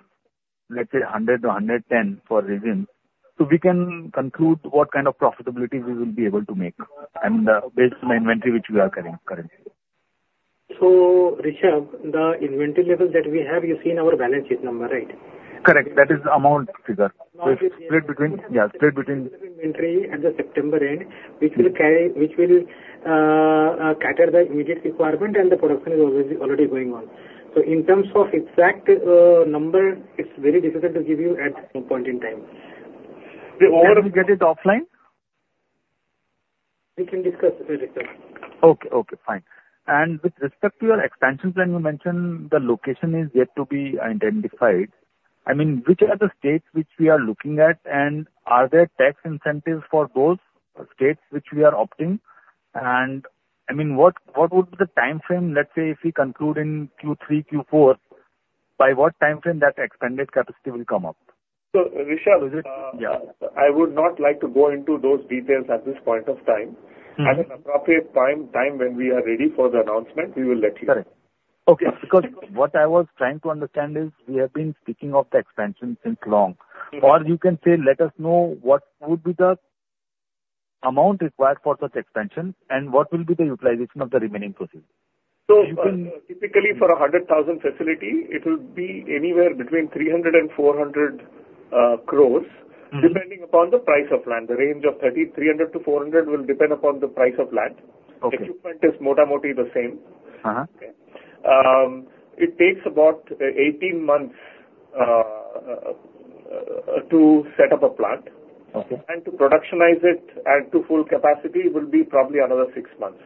let's say, 100 or 110 for resin, so we can conclude what profitability we will be able to make, and based on the inventory which we are carrying currently. So, Rishabh, the inventory levels that we have, you see in our balance sheet number, right? Correct. That is the amount figure. Figure. Split between. Split between. Inventory at the September end, which will carry, which will cater the immediate requirement, and the production is already going on. So in terms of exact number, it's very difficult to give you at some point in time. Can we get it offline? We can discuss it later. Okay, okay, fine. And with respect to your expansion plan, you mentioned the location is yet to be identified. I mean, which are the states which we are looking at, and are there tax incentives for those states which we are opting? And I mean, what, what would be the timeframe, let's say, if we conclude in Q3, Q4, by what timeframe that expanded capacity will come up? So, Rishabh- Yeah. I would not like to go into those details at this point of time. Mm-hmm. At an appropriate time when we are ready for the announcement, we will let you know. Correct. Okay. Yeah. Because what I was trying to understand is, we have been speaking of the expansion since long. Or you can say, let us know what would be the amount required for such expansion, and what will be the utilization of the remaining proceeds? So- You can- -Typically, for a 100,000 facility, it will be anywhere between 300 and 400 crores- Depending upon the price of land. The range of 300-400 will depend upon the price of land. Okay. Equipment is more or less the same. Uh-huh. It takes about 18 months to set up a plant. Okay. To productionize it and to full capacity will be probably another six months.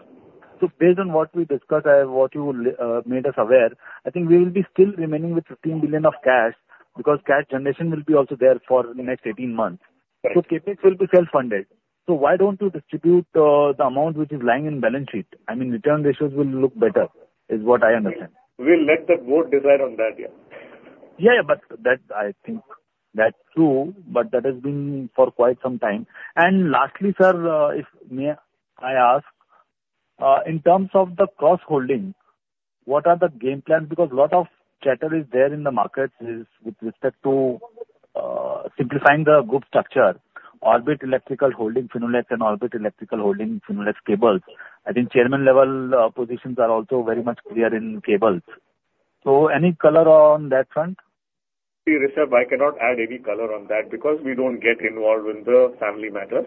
Based on what we discussed and what you made us aware, we will be still remaining with 15 billion of cash, because cash generation will be also there for the next 18 months. Right. So CapEx will be self-funded. So why don't you distribute the amount which is lying in balance sheet? I mean, return ratios will look better, is what I understand. We'll let the board decide on that. But that that's true, but that has been for quite some time. And lastly, sir, if may I ask, in terms of the cross-holding, what are the game plans? Because a lot of chatter is there in the markets with respect to simplifying the group structure, Orbit Electricals holding Finolex and Orbit Electricals holding Finolex Cables. Chairman-level positions are also very much clear in Cables. So any color on that front?... I cannot add any color on that because we don't get involved in the family matters.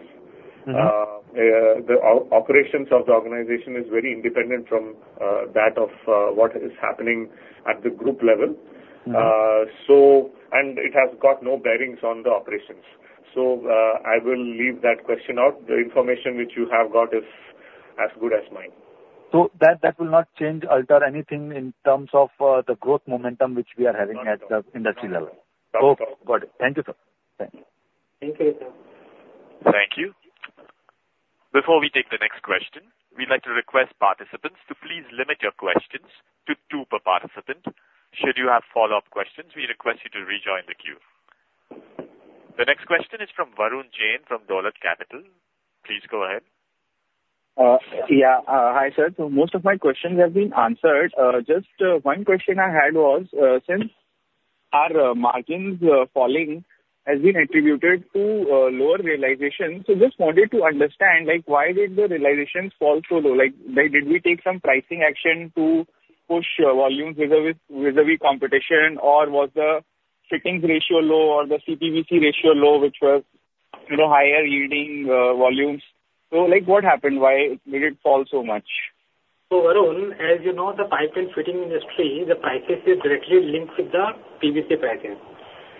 Mm-hmm. The operations of the organization is very independent from that of what is happening at the group level. So, and it has got no bearing on the operations. So, I will leave that question out. The information which you have got is as good as mine. So that, that will not change, alter anything in terms of, the growth momentum which we are having at the industry level? Not at all. Oh, got it. Thank you, sir. Thank you. Thank you. Before we take the next question, we'd like to request participants to please limit your questions to two per participant. Should you have follow-up questions, we request you to rejoin the queue. The next question is from Varun Jain, from Dolat Capital. Please go ahead. Hi, sir. So most of my questions have been answered. Just one question I had was, since our margins falling has been attributed to lower realization. So just wanted to understand, like, why did the realizations fall so low? Like, did we take some pricing action to push volumes vis-a-vis competition? Or was the fittings ratio low or the CPVC ratio low, which was, you know, higher yielding volumes? So like, what happened? Why did it fall so much? So Varun, as you know, the pipe and fitting industry, the prices is directly linked with the PVC prices,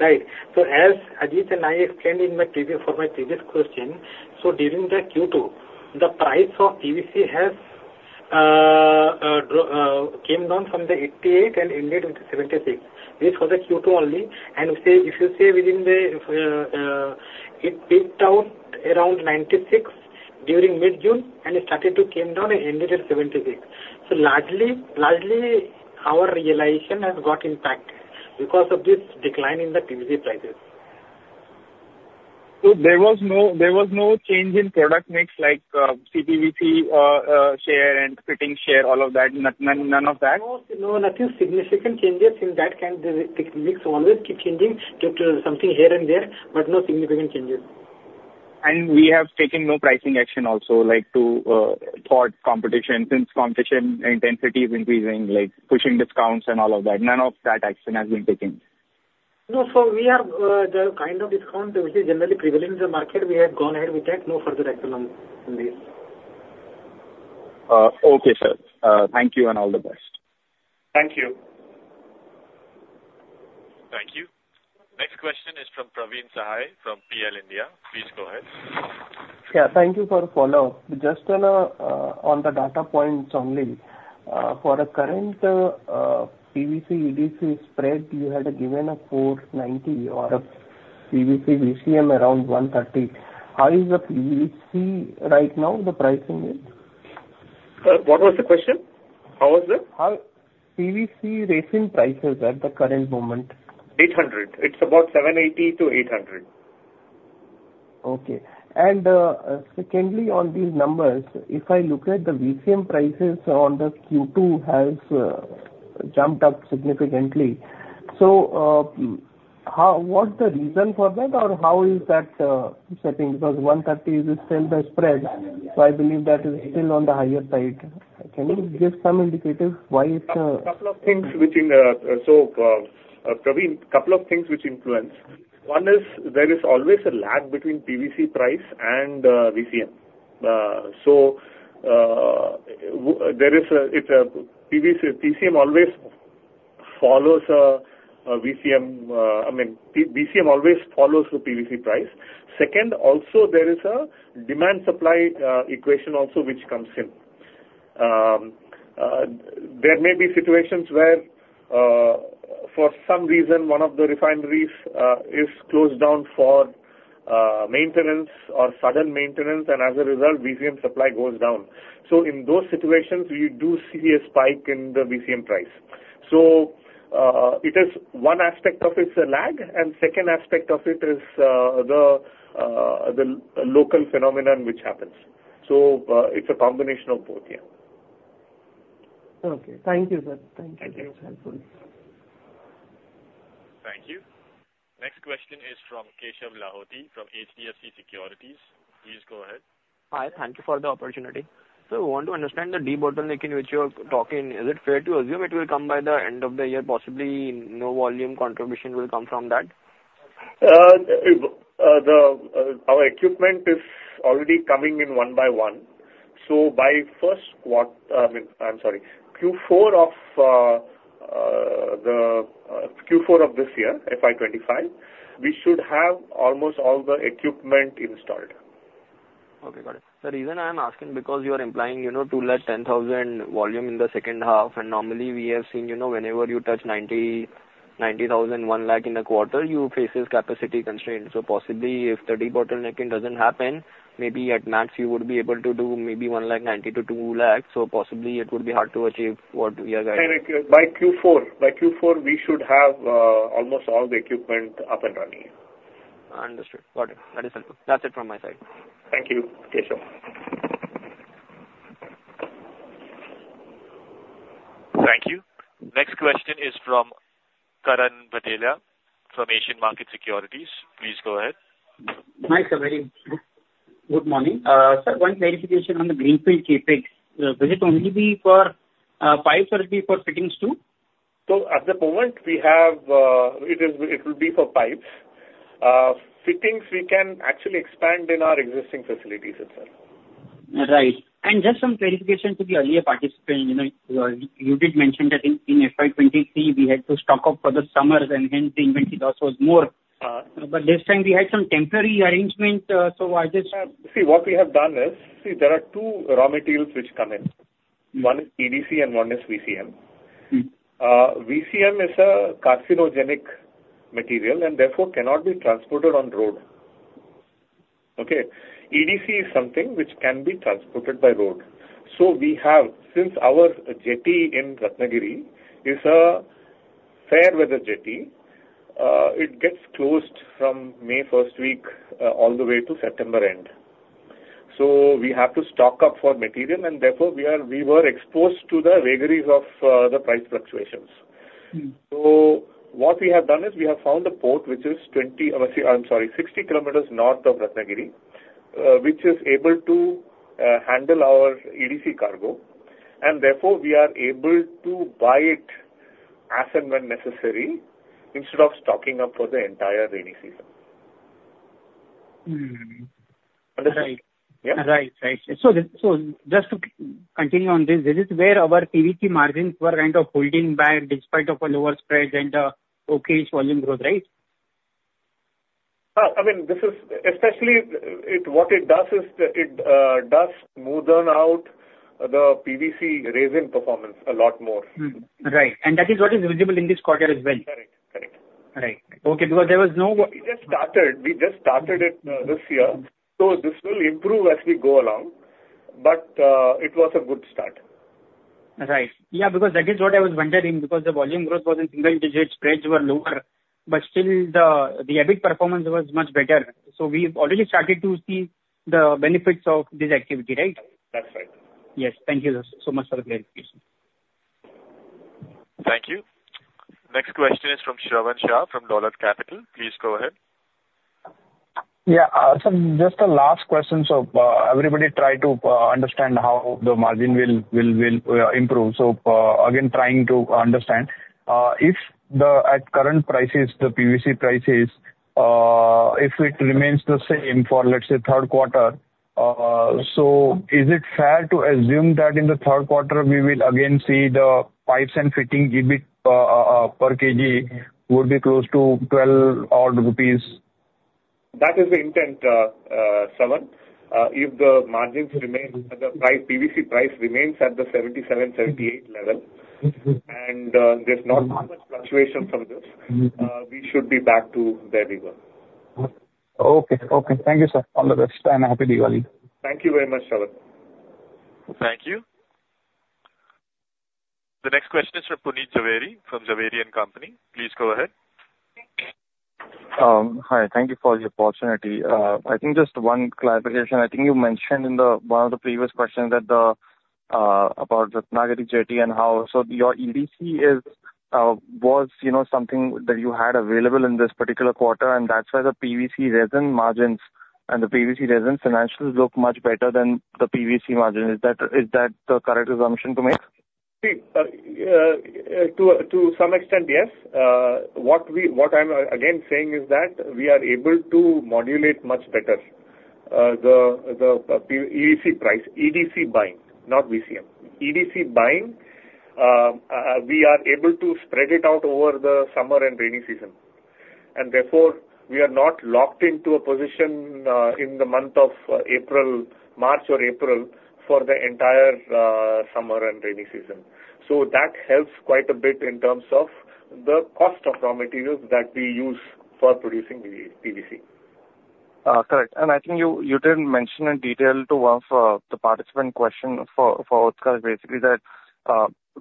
right? So as Ajit and I explained for my previous question, so during the Q2, the price of PVC has come down from 88 and ended with 76. This was at Q2 only. And say, if you say within the, it peaked out around 96 during mid-June, and it started to come down and ended at 76. So largely, our realization has got impacted because of this decline in the PVC prices. So there was no change in product mix, like, CPVC share and fitting share, all of that? None of that? No, no, nothing significant changes in that kind. The mix always keep changing due to something here and there, but no significant changes. We have taken no pricing action also, like, to, toward competition, since competition intensity is increasing, like pushing discounts and all of that. None of that action has been taken? No, sir, we have the discount which is generally prevalent in the market, we have gone ahead with that. No further action on this. Okay, sir. Thank you and all the best. Thank you. Thank you. Next question is from Praveen Sahay, from PL India. Please go ahead. Thank you for the follow-up. Just on, on the data points only, for a current, PVC EDC spread, you had given a four ninety or a PVC VCM around one thirty. How is the PVC right now, the pricing is? What was the question? How was the...? How PVC resin prices at the current moment? Eight hundred. It's about seven eighty to eight hundred. Okay. And, secondly, on these numbers, if I look at the VCM prices on the Q2 has jumped up significantly. So, how, what's the reason for that? Or how is that setting? Because one thirty is still the spread, so I believe that is still on the higher side. Can you give some indicative why it's- Praveen, a couple of things which influence. One is there is always a lag between PVC price and VCM. So, there is a, it's a PVC... PCM always follows a VCM, I mean, VCM always follows the PVC price. Second, also, there is a demand-supply equation also which comes in. There may be situations where, for some reason, one of the refineries is closed down for maintenance or sudden maintenance, and as a result, VCM supply goes down. So in those situations, we do see a spike in the VCM price. So, it is one aspect of it's a lag, and second aspect of it is, the local phenomenon, which happens. So, it's a combination of both. Okay. Thank you, sir. Thank you. Thank you. It was helpful. Thank you. Next question is from Keshav Lahoti, from HDFC Securities. Please go ahead. Hi, thank you for the opportunity. So I want to understand the debottlenecking which you are talking, is it fair to assume it will come by the end of the year, possibly, no volume contribution will come from that? Our equipment is already coming in one by one, so by Q4 of this year, FY 2025, we should have almost all the equipment installed. Okay, got it. The reason I'm asking, because you are implying, you know, to let 10,000 volume in the H2, and normally we have seen, you know, whenever you touch 90, 90,000, one lakh in a quarter, you face capacity constraints. So possibly, if the debottlenecking doesn't happen, maybe at max you would be able to do maybe one lakh ninety to two lakh. So possibly it would be hard to achieve what we are guiding. By Q4, we should have almost all the equipment up and running. Understood. Got it. That is helpful. That's it from my side. Thank you, Keshav. Thank you. Next question is from Karan Bhatelia, from Asian Markets Securities. Please go ahead. Hi, sir, very good, good morning. Sir, one clarification on the greenfield CapEx. Will it only be for pipes or it be for fittings, too? So at the moment, we have, it is, it will be for pipes. Fittings, we can actually expand in our existing facilities itself. Right. And just some clarification to the earlier participant, you know, you did mention that in FY 2023, we had to stock up for the summers, and hence, the inventory loss was more. But this time we had some temporary arrangement, so I just- See, what we have done is, there are two raw materials which come in. Mm. One is EDC and one is VCM. Mm. VCM is a carcinogenic material, and therefore cannot be transported on road. Okay? EDC is something which can be transported by road. So we have, since our jetty in Ratnagiri is a fair weather jetty, it gets closed from May first week, all the way to September end. So we have to stock up for material, and therefore, we were exposed to the vagaries of, the price fluctuations. Mm. So what we have done is, we have found a port which is 60 km north of Ratnagiri, which is able to handle our EDC cargo, and therefore, we are able to buy it as and when necessary, instead of stocking up for the entire rainy season. Mm. Understood? Right. Yeah. Right. So, just to continue on this, this is where our PVC margins were holding back despite of a lower spread and okay-ish volume growth, right? I mean, this is, especially, it, what it does is, it does smoothen out the PVC resin performance a lot more. Mm. Right, and that is what is visible in this quarter as well. Correct. Correct. Right. Okay, because there was no- We just started it this year. So this will improve as we go along, but it was a good start. Because that is what I was wondering, because the volume growth was in single digits, spreads were lower, but still the EBIT performance was much better. So we've already started to see the benefits of this activity, right? That's right. Yes. Thank you so much for the clarification. Thank you. Next question is from Shravan Shah, from Dolat Capital. Please go ahead. So just a last question, so, everybody try to understand how the margin will improve. So, again, trying to understand. If at current prices, the PVC prices, if it remains the same for, let's say, Q3, so is it fair to assume that in the Q3 we will again see the pipes and fittings EBIT per kg will be close to twelve odd rupees? That is the intent, Shravan. If the margins remain at the price, PVC price remains at the 77-78 level. Mm-hmm. and, there's not much fluctuation from this- Mm-hmm. We should be back to where we were. Okay. Okay. Thank you, sir. All the best, and happy Diwali. Thank you very much, Shravan. Thank you. The next question is from Puneet Zaveri, from Zaveri & Co. Please go ahead. Hi. Thank you for the opportunity. Just one clarification. You mentioned in one of the previous questions, that about the Ratnagiri jetty and how. So your EDC is was, you know, something that you had available in this particular quarter, and that's why the PVC resin margins and the PVC resin financials look much better than the PVC margin. Is that, is that the correct assumption to make? See, to some extent, yes. What we, what I'm again saying is that we are able to modulate much better, the EDC price, EDC buying, not VCM. EDC buying, we are able to spread it out over the summer and rainy season, and therefore, we are not locked into a position, in the month of April, March or April, for the entire, summer and rainy season. So that helps quite a bit in terms of the cost of raw materials that we use for producing PVC. Correct. And you did mention in detail to one of the participant question for Utkarsh, basically, that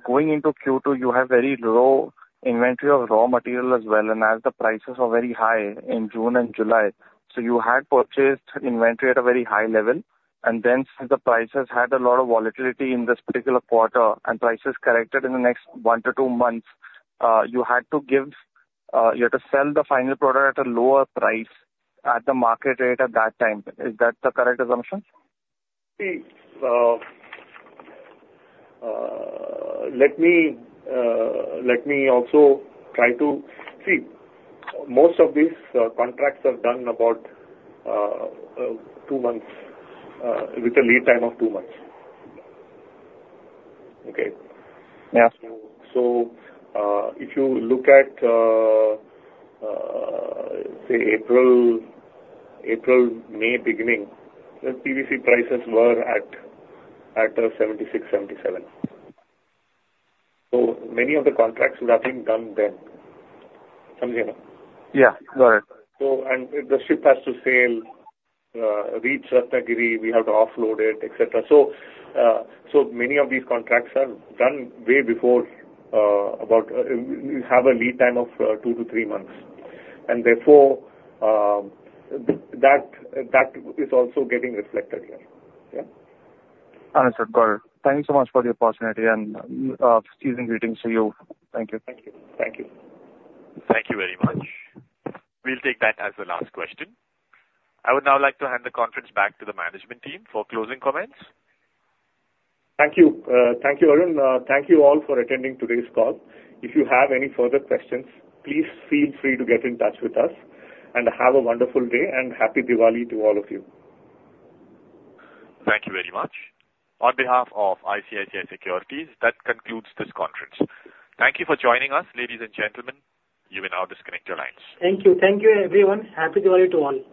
going into Q2, you have very low inventory of raw material as well, and as the prices are very high in June and July, so you had purchased inventory at a very high level. And then, since the prices had a lot of volatility in this particular quarter, and prices corrected in the next one to two months, you had to sell the final product at a lower price, at the market rate at that time. Is that the correct assumption? See, let me also try to... See, most of these contracts are done about two months with a lead time of two months. Okay? Yeah. If you look at, say, April, May beginning, the PVC prices were at seventy-six, seventy-seven. So many of the contracts would have been done then. Understand? Got it. So, and the ship has to sail, reach Ratnagiri, we have to offload it, et cetera. So, so many of these contracts are done way before. About, we have a lead time of two to three months, and therefore, that, that is also getting reflected here. Understood. Got it. Thank you so much for your opportunity, and season's greetings to you. Thank you. Thank you. Thank you. Thank you very much. We'll take that as the last question. I would now like to hand the conference back to the management team for closing comments. Thank you. Thank you, Arun. Thank you all for attending today's call. If you have any further questions, please feel free to get in touch with us, and have a wonderful day, and Happy Diwali to all of you. Thank you very much. On behalf of ICICI Securities, that concludes this conference. Thank you for joining us, ladies and gentlemen. You may now disconnect your lines. Thank you. Thank you, everyone. Happy Diwali to all.